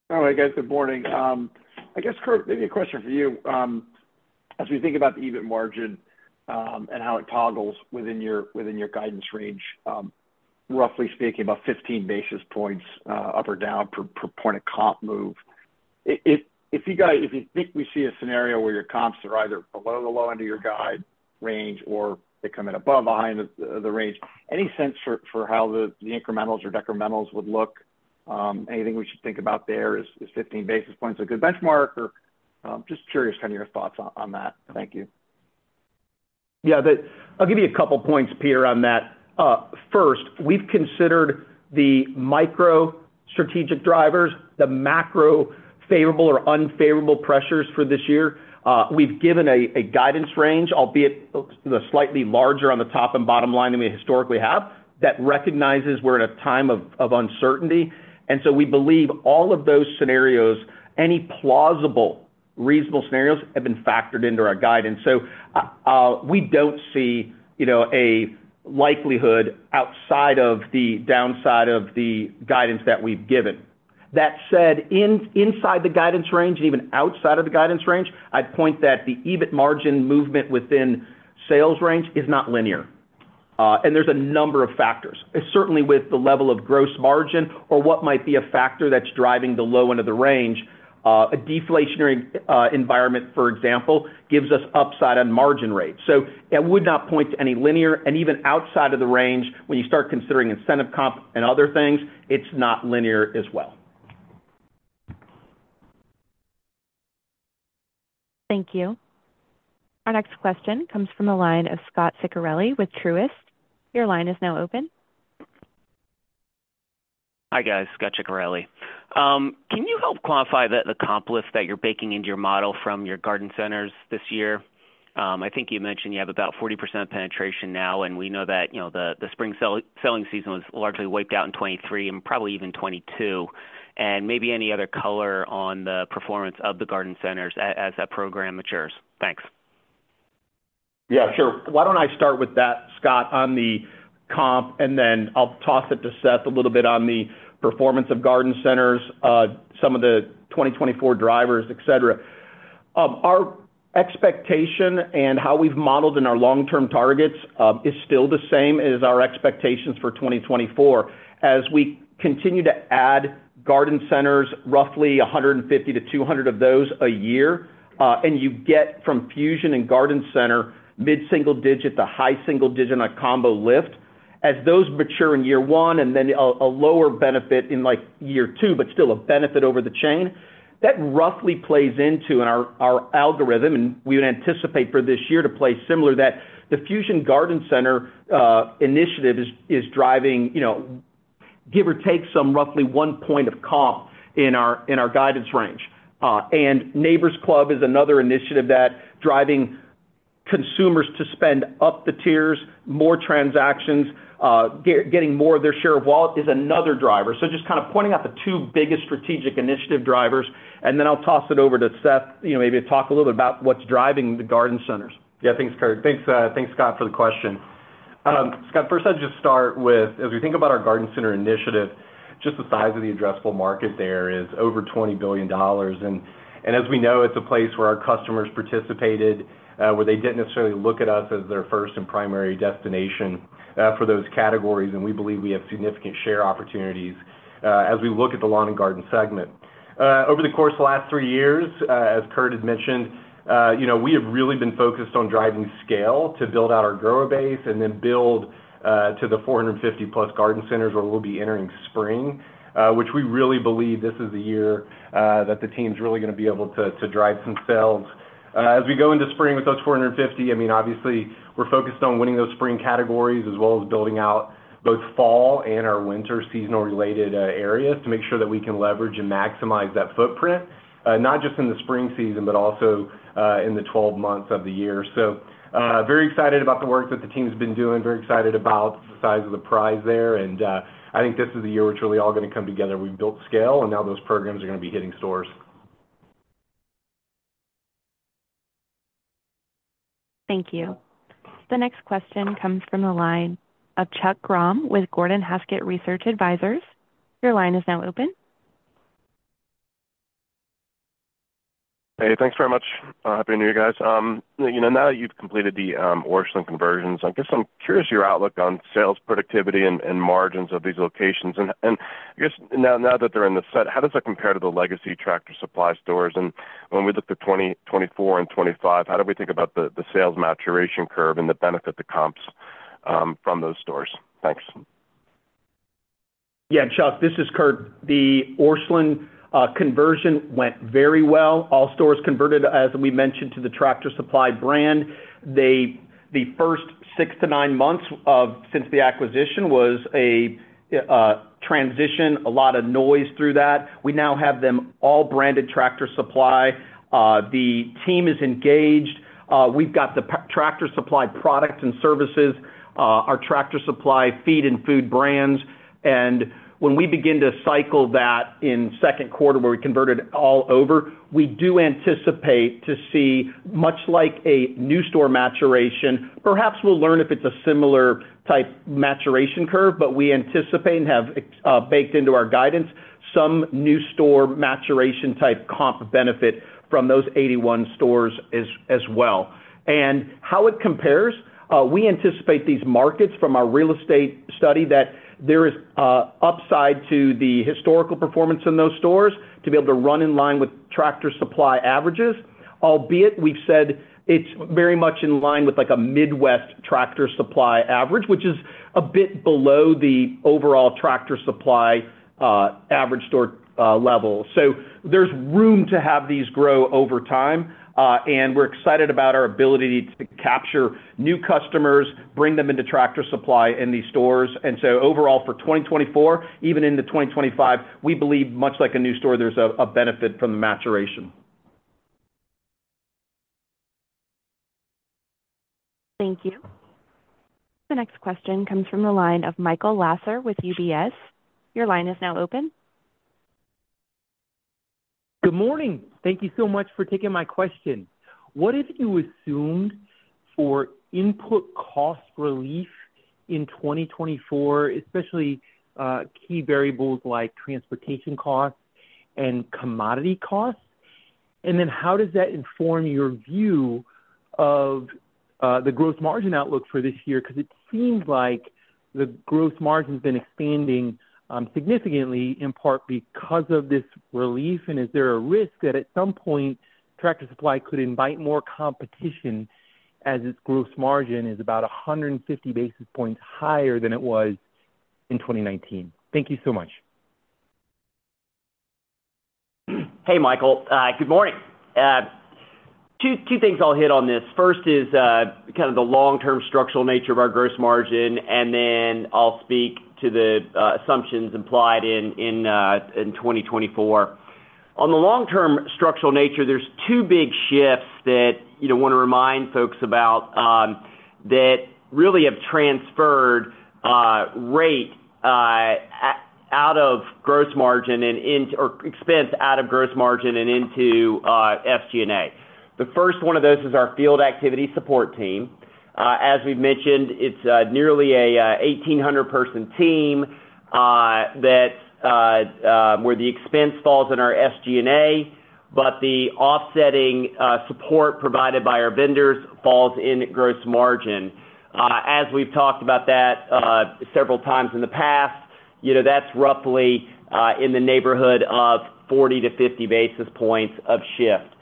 All right, guys, good morning. I guess, Kurt, maybe a question for you. As we think about the EBIT margin, and how it toggles within your guidance range, roughly speaking, about 15 basis points, up or down per point of comp move. If you think we see a scenario where your comps are either below the low end of your guide range or they come in above, behind the range, any sense for how the incrementals or decrementals would look? Anything we should think about there, is 15 basis points a good benchmark? Or, just curious on your thoughts on that. Thank you. Yeah, I'll give you a couple points, Peter, on that. First, we've considered the strategic drivers, the macro favorable or unfavorable pressures for this year. We've given a guidance range, albeit slightly larger on the top and bottom line than we historically have, that recognizes we're in a time of uncertainty. And so we believe all of those scenarios, any plausible, reasonable scenarios, have been factored into our guidance. So, we don't see, you know, a likelihood outside of the downside of the guidance that we've given. That said, inside the guidance range and even outside of the guidance range, I'd point that the EBIT margin movement within sales range is not linear. And there's a number of factors. Certainly with the level of gross margin or what might be a factor that's driving the low end of the range. A deflationary environment, for example, gives us upside on margin rates. So it would not point to any linear and even outside of the range, when you start considering incentive comp and other things, it's not linear as well. Thank you. Our next question comes from the line of Scot Ciccarelli with Truist. Your line is now open. Hi, guys. Scot Ciccarelli. Can you help quantify the comp lift that you're baking into your model from your Garden Centers this year? I think you mentioned you have about 40% penetration now, and we know that, you know, the spring selling season was largely wiped out in 2023 and probably even 2022. And maybe any other color on the performance of the Garden Centers as that program matures. Thanks. Yeah, sure. Why don't I start with that, Scot, on the comp, and then I'll toss it to Seth a little bit on the performance of Garden Centers, some of the 2024 drivers, etc. Our expectation and how we've modeled in our long-term targets is still the same as our expectations for 2024. As we continue to add Garden Centers, roughly 150-200 of those a year, and you get from Fusion and Garden Center, mid-single digit to high single digit on a combo lift. As those mature in year one and then a lower benefit in, like, year two, but still a benefit over the chain, that roughly plays into our algorithm, and we would anticipate for this year to play similar, that the Fusion Garden Center initiative is driving, you know, give or take some roughly one point of comp in our guidance range. And Neighbor's Club is another initiative that driving consumers to spend up the tiers, more transactions, getting more of their share of wallet is another driver. So just kind of pointing out the two biggest strategic initiative drivers, and then I'll toss it over to Seth, you know, maybe to talk a little bit about what's driving the Garden Centers. Yeah, thanks, Kurt. Thanks, Scot, for the question. Scot, first I'd just start with, as we think about our Garden Center initiative, just the size of the addressable market there is over $20 billion. And as we know, it's a place where our customers participated, where they didn't necessarily look at us as their first and primary destination, for those categories, and we believe we have significant share opportunities, as we look at the lawn and garden segment. Over the course of the last three years, as Kurt has mentioned, you know, we have really been focused on driving scale to build out our grower base and then build to the 450+ Garden Centers, where we'll be entering spring, which we really believe this is the year that the team's really gonna be able to, to drive some sales. As we go into spring with those 450, I mean, obviously, we're focused on winning those spring categories, as well as building out both fall and our winter seasonal-related areas to make sure that we can leverage and maximize that footprint, not just in the spring season, but also in the 12 months of the year. So, very excited about the work that the team's been doing. Very excited about the size of the prize there, and, I think this is the year it's really all gonna come together. We've built scale, and now those programs are gonna be hitting stores. Thank you. The next question comes from the line of Chuck Grom with Gordon Haskett Research Advisors. Your line is now open. Hey, thanks very much. Happy New Year, guys. You know, now that you've completed the Orscheln conversions, I guess I'm curious your outlook on sales, productivity, and margins of these locations. And I guess now that they're in the set, how does that compare to the legacy Tractor Supply stores? And when we look to 2024 and 2025, how do we think about the sales maturation curve and the benefit to comps from those stores? Thanks. Yeah, Chuck, this is Kurt. The Orscheln conversion went very well. All stores converted, as we mentioned, to the Tractor Supply brand. The first 6-9 months since the acquisition was a transition, a lot of noise through that. We now have them all branded Tractor Supply. The team is engaged. We've got the Tractor Supply products and services, our Tractor Supply feed and food brands. And when we begin to cycle that in second quarter, where we converted all over, we do anticipate to see much like a new store maturation. Perhaps we'll learn if it's a similar type maturation curve, but we anticipate and have baked into our guidance, some new store maturation-type comp benefit from those 81 stores as well. How it compares, we anticipate these markets from our real estate study, that there is upside to the historical performance in those stores to be able to run in line with Tractor Supply averages. Albeit, we've said it's very much in line with, like, a Midwest Tractor Supply average, which is a bit below the overall Tractor Supply average store level. So there's room to have these grow over time, and we're excited about our ability to capture new customers, bring them into Tractor Supply in these stores. And so overall, for 2024, even into 2025, we believe much like a new store, there's a benefit from the maturation. Thank you. The next question comes from the line of Michael Lasser with UBS. Your line is now open. Good morning. Thank you so much for taking my question. What have you assumed for input cost relief in 2024, especially, key variables like transportation costs and commodity costs? And then how does that inform your view of, the gross margin outlook for this year? Because it seems like the gross margin has been expanding, significantly, in part because of this relief. And is there a risk that at some point, Tractor Supply could invite more competition as its gross margin is about 150 basis points higher than it was in 2019? Thank you so much. Hey, Michael, good morning. Two things I'll hit on this. First is kind of the long-term structural nature of our gross margin, and then I'll speak to the assumptions implied in 2024. On the long-term structural nature, there's two big shifts that, you know, want to remind folks about that really have transferred rate out of gross margin and into or expense out of gross margin and into SG&A. The first one of those is our Field Activity Support Team. As we've mentioned, it's nearly a 1,800-person team that where the expense falls in our SG&A, but the offsetting support provided by our vendors falls in gross margin. As we've talked about that several times in the past, you know, that's roughly in the neighborhood of 40-50 basis points of shift.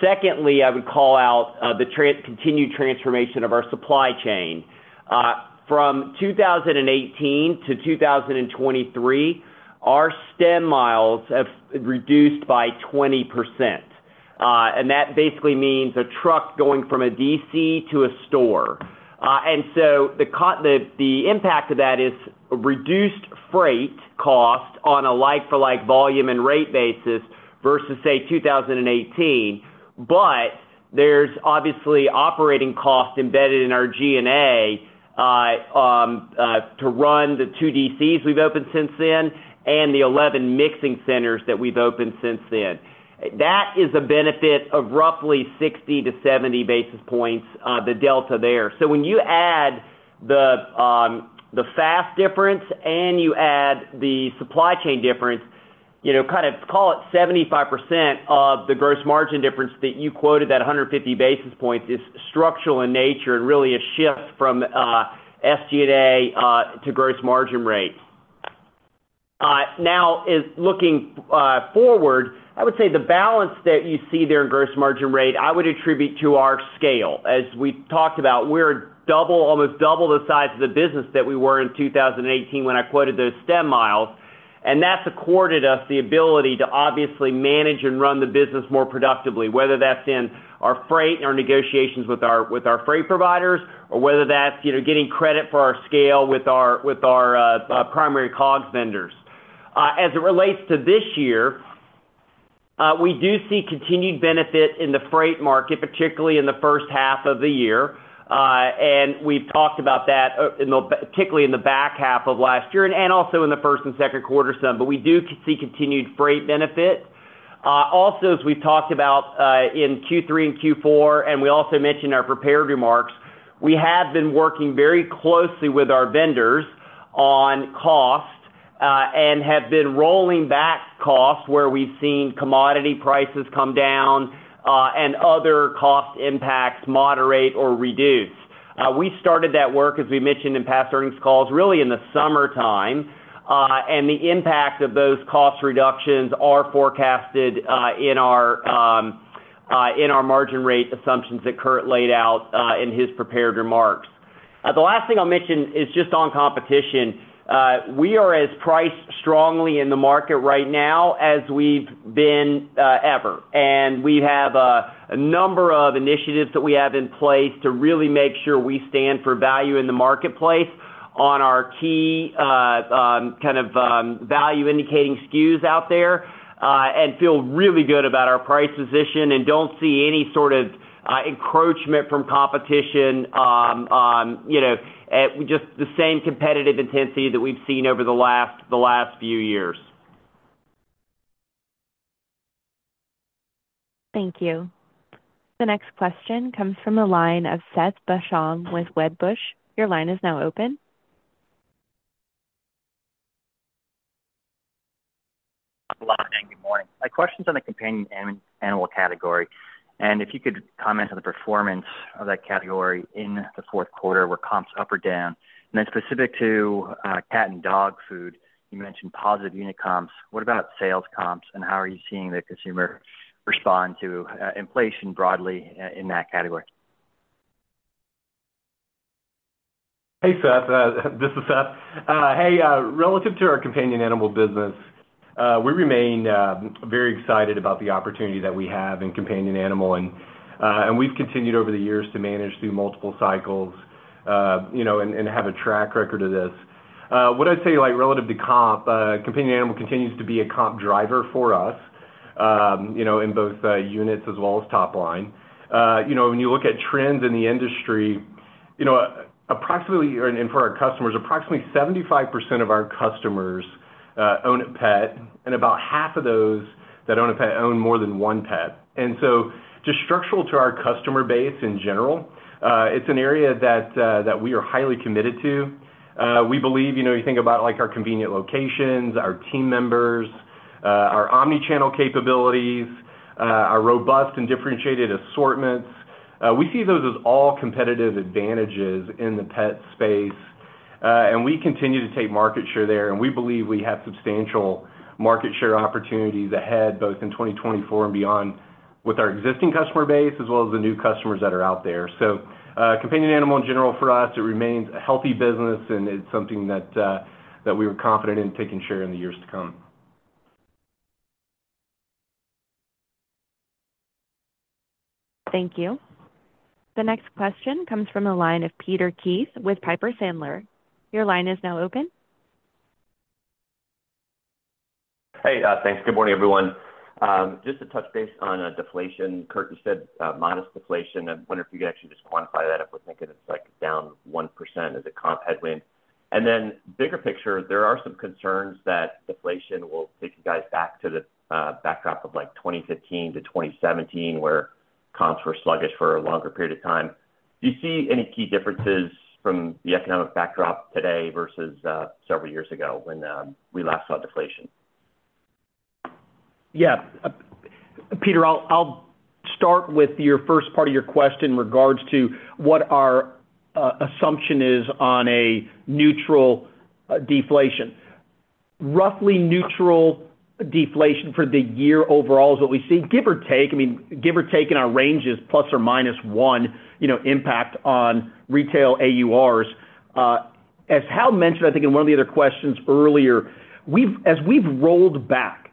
Secondly, I would call out the continued transformation of our supply chain. From 2018-2023, our stem miles have reduced by 20%, and that basically means a truck going from a DC to a store. And so the impact of that is reduced freight cost on a like-for-like volume and rate basis versus, say, 2018. But there's obviously operating costs embedded in our G&A to run the 2 DCs we've opened since then and the 11 mixing centers that we've opened since then. That is a benefit of roughly 60-70 basis points, the delta there. So when you add the FAST difference and you add the supply chain difference, you know, kind of call it 75% of the gross margin difference that you quoted, that 150 basis points is structural in nature and really a shift from SG&A to gross margin rate. Now is looking forward, I would say the balance that you see there in gross margin rate, I would attribute to our scale. As we talked about, we're almost double the size of the business that we were in 2018 when I quoted those stem miles. And that's accorded us the ability to obviously manage and run the business more productively, whether that's in our freight and our negotiations with our, with our freight providers, or whether that's, you know, getting credit for our scale with our, with our, primary COGS vendors. As it relates to this year, we do see continued benefit in the freight market, particularly in the first half of the year. And we've talked about that, particularly in the back half of last year, and also in the first and second quarter some, but we do see continued freight benefit. Also, as we've talked about, in Q3 and Q4, and we also mentioned our prepared remarks, we have been working very closely with our vendors on cost, and have been rolling back costs where we've seen commodity prices come down, and other cost impacts moderate or reduce. We started that work, as we mentioned in past earnings calls, really in the summertime, and the impact of those cost reductions are forecasted, in our margin rate assumptions that Kurt laid out, in his prepared remarks. The last thing I'll mention is just on competition. We are as priced strongly in the market right now as we've been ever, and we have a number of initiatives that we have in place to really make sure we stand for value in the marketplace on our key kind of value indicating SKUs out there, and feel really good about our price position and don't see any sort of encroachment from competition, you know, just the same competitive intensity that we've seen over the last few years. Thank you. The next question comes from the line of Seth Basham with Wedbush. Your line is now open. Thanks a lot. Good morning. My question is on the companion animal category, and if you could comment on the performance of that category in the fourth quarter, were comps up or down? And then specific to, cat and dog food, you mentioned positive unit comps. What about sales comps, and how are you seeing the consumer respond to, inflation broadly in that category? Hey, Seth, this is Seth. Hey, relative to our companion animal business, we remain very excited about the opportunity that we have in companion animal. And we've continued over the years to manage through multiple cycles, you know, and have a track record of this. What I'd say, like, relative to comp, companion animal continues to be a comp driver for us, you know, in both units as well as top line. You know, when you look at trends in the industry, you know, approximately—and for our customers, approximately 75% of our customers own a pet, and about half of those that own a pet own more than one pet. And so just structural to our customer base in general, it's an area that we are highly committed to. We believe, you know, you think about, like, our convenient locations, our team members, our omni-channel capabilities, our robust and differentiated assortments. We see those as all competitive advantages in the pet space. We continue to take market share there, and we believe we have substantial market share opportunities ahead, both in 2024 and beyond, with our existing customer base, as well as the new customers that are out there. Companion animal, in general, for us, it remains a healthy business, and it's something that, that we were confident in taking share in the years to come. Thank you. The next question comes from the line of Peter Keith with Piper Sandler. Your line is now open. Hey, thanks. Good morning, everyone. Just to touch base on deflation, Kurt, you said minus deflation. I wonder if you could actually just quantify that, if we're thinking it's, like, down 1% as a comp headwind. And then, bigger picture, there are some concerns that deflation will take you guys back to the backdrop of, like, 2015-2017, where comps were sluggish for a longer period of time. Do you see any key differences from the economic backdrop today versus several years ago when we last saw deflation? Yeah. Peter, I'll start with your first part of your question in regards to what our assumption is on a neutral deflation. Roughly neutral deflation for the year overall is what we see, give or take, I mean, give or take in our ranges, ±1, you know, impact on retail AURs. As Hal mentioned, I think in one of the other questions earlier, as we've rolled back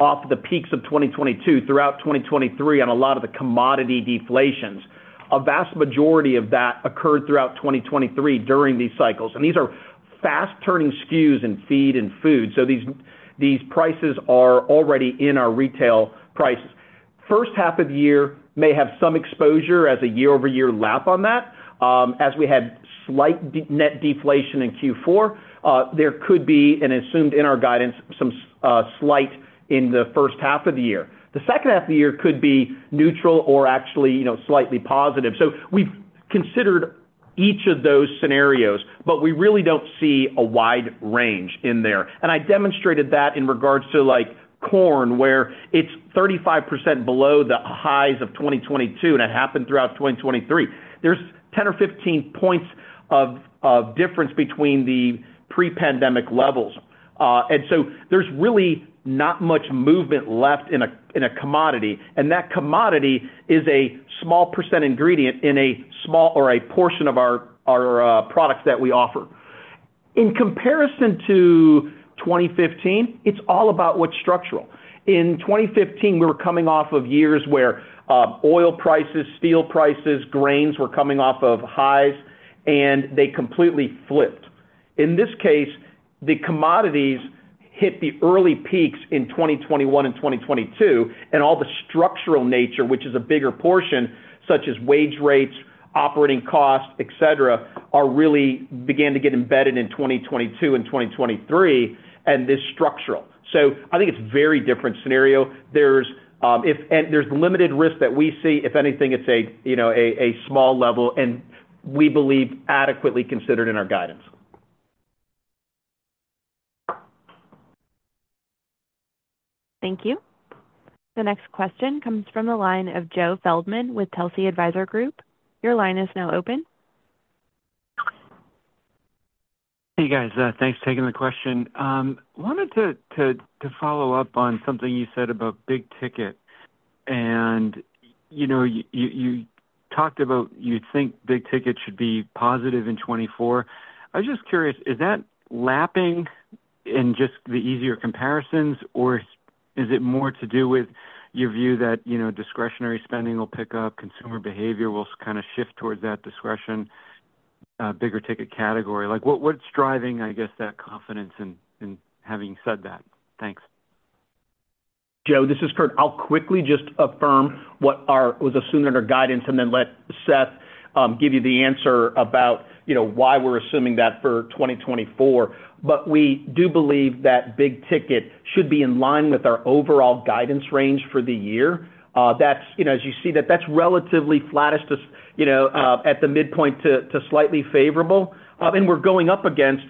off the peaks of 2022 throughout 2023 on a lot of the commodity deflations, a vast majority of that occurred throughout 2023 during these cycles. And these are fast-turning SKUs in feed and food, so these, these prices are already in our retail prices. First half of the year may have some exposure as a year-over-year lap on that. As we had slight net deflation in Q4, there could be, and assumed in our guidance, some slight in the first half of the year. The second half of the year could be neutral or actually, you know, slightly positive. So we've considered each of those scenarios, but we really don't see a wide range in there. And I demonstrated that in regards to, like, corn, where it's 35% below the highs of 2022, and it happened throughout 2023. There's 10 or 15 points of difference between the pre-pandemic levels. And so there's really not much movement left in a commodity, and that commodity is a small percent ingredient in a small or a portion of our products that we offer. In comparison to 2015, it's all about what's structural. In 2015, we were coming off of years where, oil prices, steel prices, grains were coming off of highs, and they completely flipped. In this case, the commodities hit the early peaks in 2021 and 2022, and all the structural nature, which is a bigger portion, such as wage rates, operating costs, etc, are really began to get embedded in 2022 and 2023, and this structural. So I think it's a very different scenario. There's, and there's limited risk that we see. If anything, it's a, you know, a small level, and we believe adequately considered in our guidance. Thank you. The next question comes from the line of Joe Feldman with Telsey Advisory Group. Your line is now open. Hey, guys, thanks for taking the question. Wanted to follow up on something you said about big ticket, and, you know, you talked about you think big ticket should be positive in 2024. I was just curious, is that lapping in just the easier comparisons, or is it more to do with your view that, you know, discretionary spending will pick up, consumer behavior will kind of shift towards that discretion, bigger ticket category? Like, what's driving, I guess, that confidence in having said that? Thanks. Joe, this is Kurt. I'll quickly just affirm what our was assumed in our guidance, and then let Seth give you the answer about, you know, why we're assuming that for 2024. But we do believe that big ticket should be in line with our overall guidance range for the year. That's, you know, as you see, that that's relatively flattest as, you know, at the midpoint to slightly favorable. And we're going up against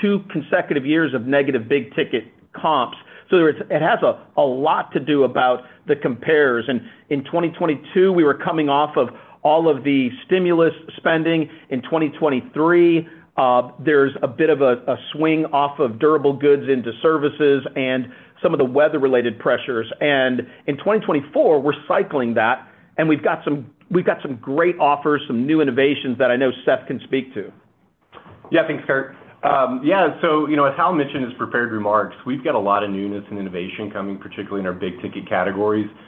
two consecutive years of negative big ticket comps. So there is it has a lot to do about the compares. And in 2022, we were coming off of all of the stimulus spending. In 2023, there's a bit of a swing off of durable goods into services and some of the weather-related pressures. In 2024, we're cycling that, and we've got some, we've got some great offers, some new innovations that I know Seth can speak to. Yeah, thanks, Kurt. Yeah, so, you know, as Hal mentioned in his prepared remarks, we've got a lot of newness and innovation coming, particularly in our big ticket categories. And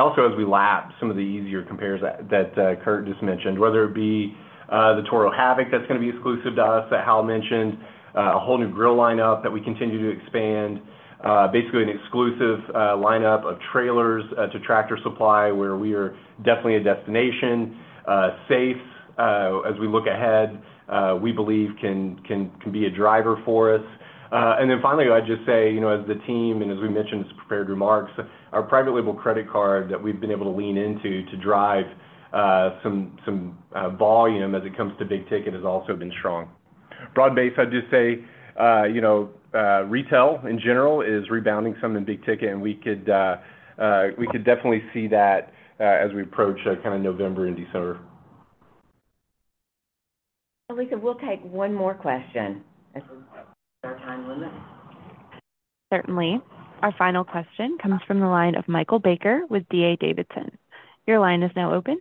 also, as we lap some of the easier compares that Kurt just mentioned, whether it be the Toro Havoc that's gonna be exclusive to us, that Hal mentioned, a whole new grill lineup that we continue to expand, basically an exclusive lineup of trailers to Tractor Supply, where we are definitely a destination store. As we look ahead, we believe can be a driver for us. And then finally, I'd just say, you know, as the team and as we mentioned in his prepared remarks, our private label credit card that we've been able to lean into to drive some volume as it comes to big ticket has also been strong. Broad-based, I'd just say, you know, retail in general is rebounding some in big ticket, and we could definitely see that as we approach kind of November and December. Alyssa, we'll take one more question. Our time limit? Certainly. Our final question comes from the line of Michael Baker with D.A. Davidson. Your line is now open.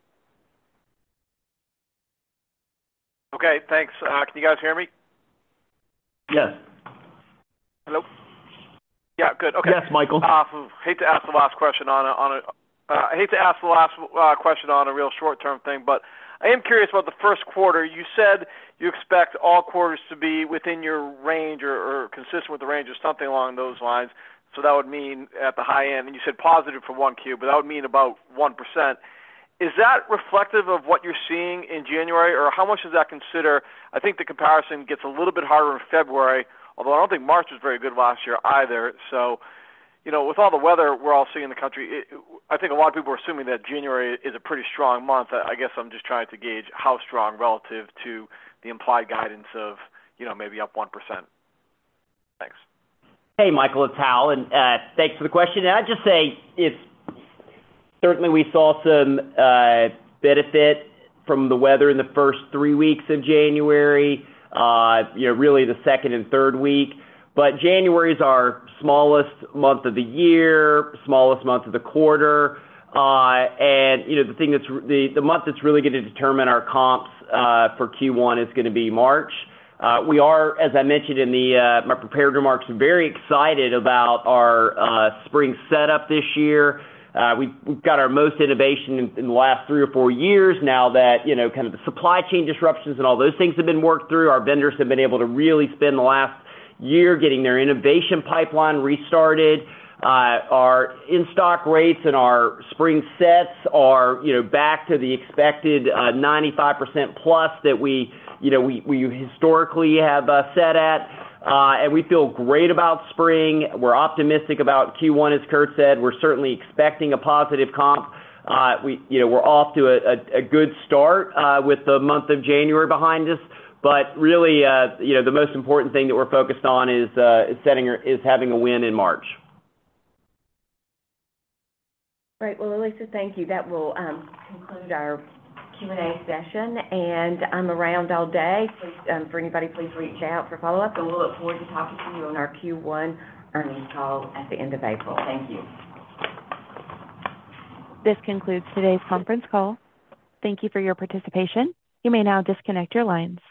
Okay, thanks. Can you guys hear me? Yes. Hello? Yeah, good. Okay. Yes, Michael. Hate to ask the last question on a real short-term thing, but I am curious about the first quarter. You said you expect all quarters to be within your range or consistent with the range or something along those lines. So that would mean at the high end, and you said positive for 1Q, but that would mean about 1%. Is that reflective of what you're seeing in January, or how much does that consider? I think the comparison gets a little bit harder in February, although I don't think March was very good last year either. So, you know, with all the weather we're all seeing in the country, I think a lot of people are assuming that January is a pretty strong month. I guess I'm just trying to gauge how strong relative to the implied guidance of, you know, maybe up 1%. Thanks. Hey, Michael, it's Hal, and thanks for the question. And I'd just say it's. Certainly we saw some benefit from the weather in the first 3 weeks of January, you know, really the second and third week. But January is our smallest month of the year, smallest month of the quarter. And you know, the thing that's the month that's really going to determine our comps for Q1 is gonna be March. We are, as I mentioned in my prepared remarks, very excited about our spring setup this year. We've got our most innovation in the last 3 or 4 years now that, you know, kind of the supply chain disruptions and all those things have been worked through. Our vendors have been able to really spend the last year getting their innovation pipeline restarted. Our in-stock rates and our spring sets are, you know, back to the expected 95% plus that we, you know, historically have set at. We feel great about spring. We're optimistic about Q1. As Kurt said, we're certainly expecting a positive comp. We, you know, we're off to a good start with the month of January behind us. But really, you know, the most important thing that we're focused on is having a win in March. Great. Well, Alyssa, thank you. That will conclude our Q&A session, and I'm around all day. Please, for anybody, please reach out for follow-up, and we'll look forward to talking to you on our Q1 earnings call at the end of April. Thank you. This concludes today's conference call. Thank you for your participation. You may now disconnect your lines.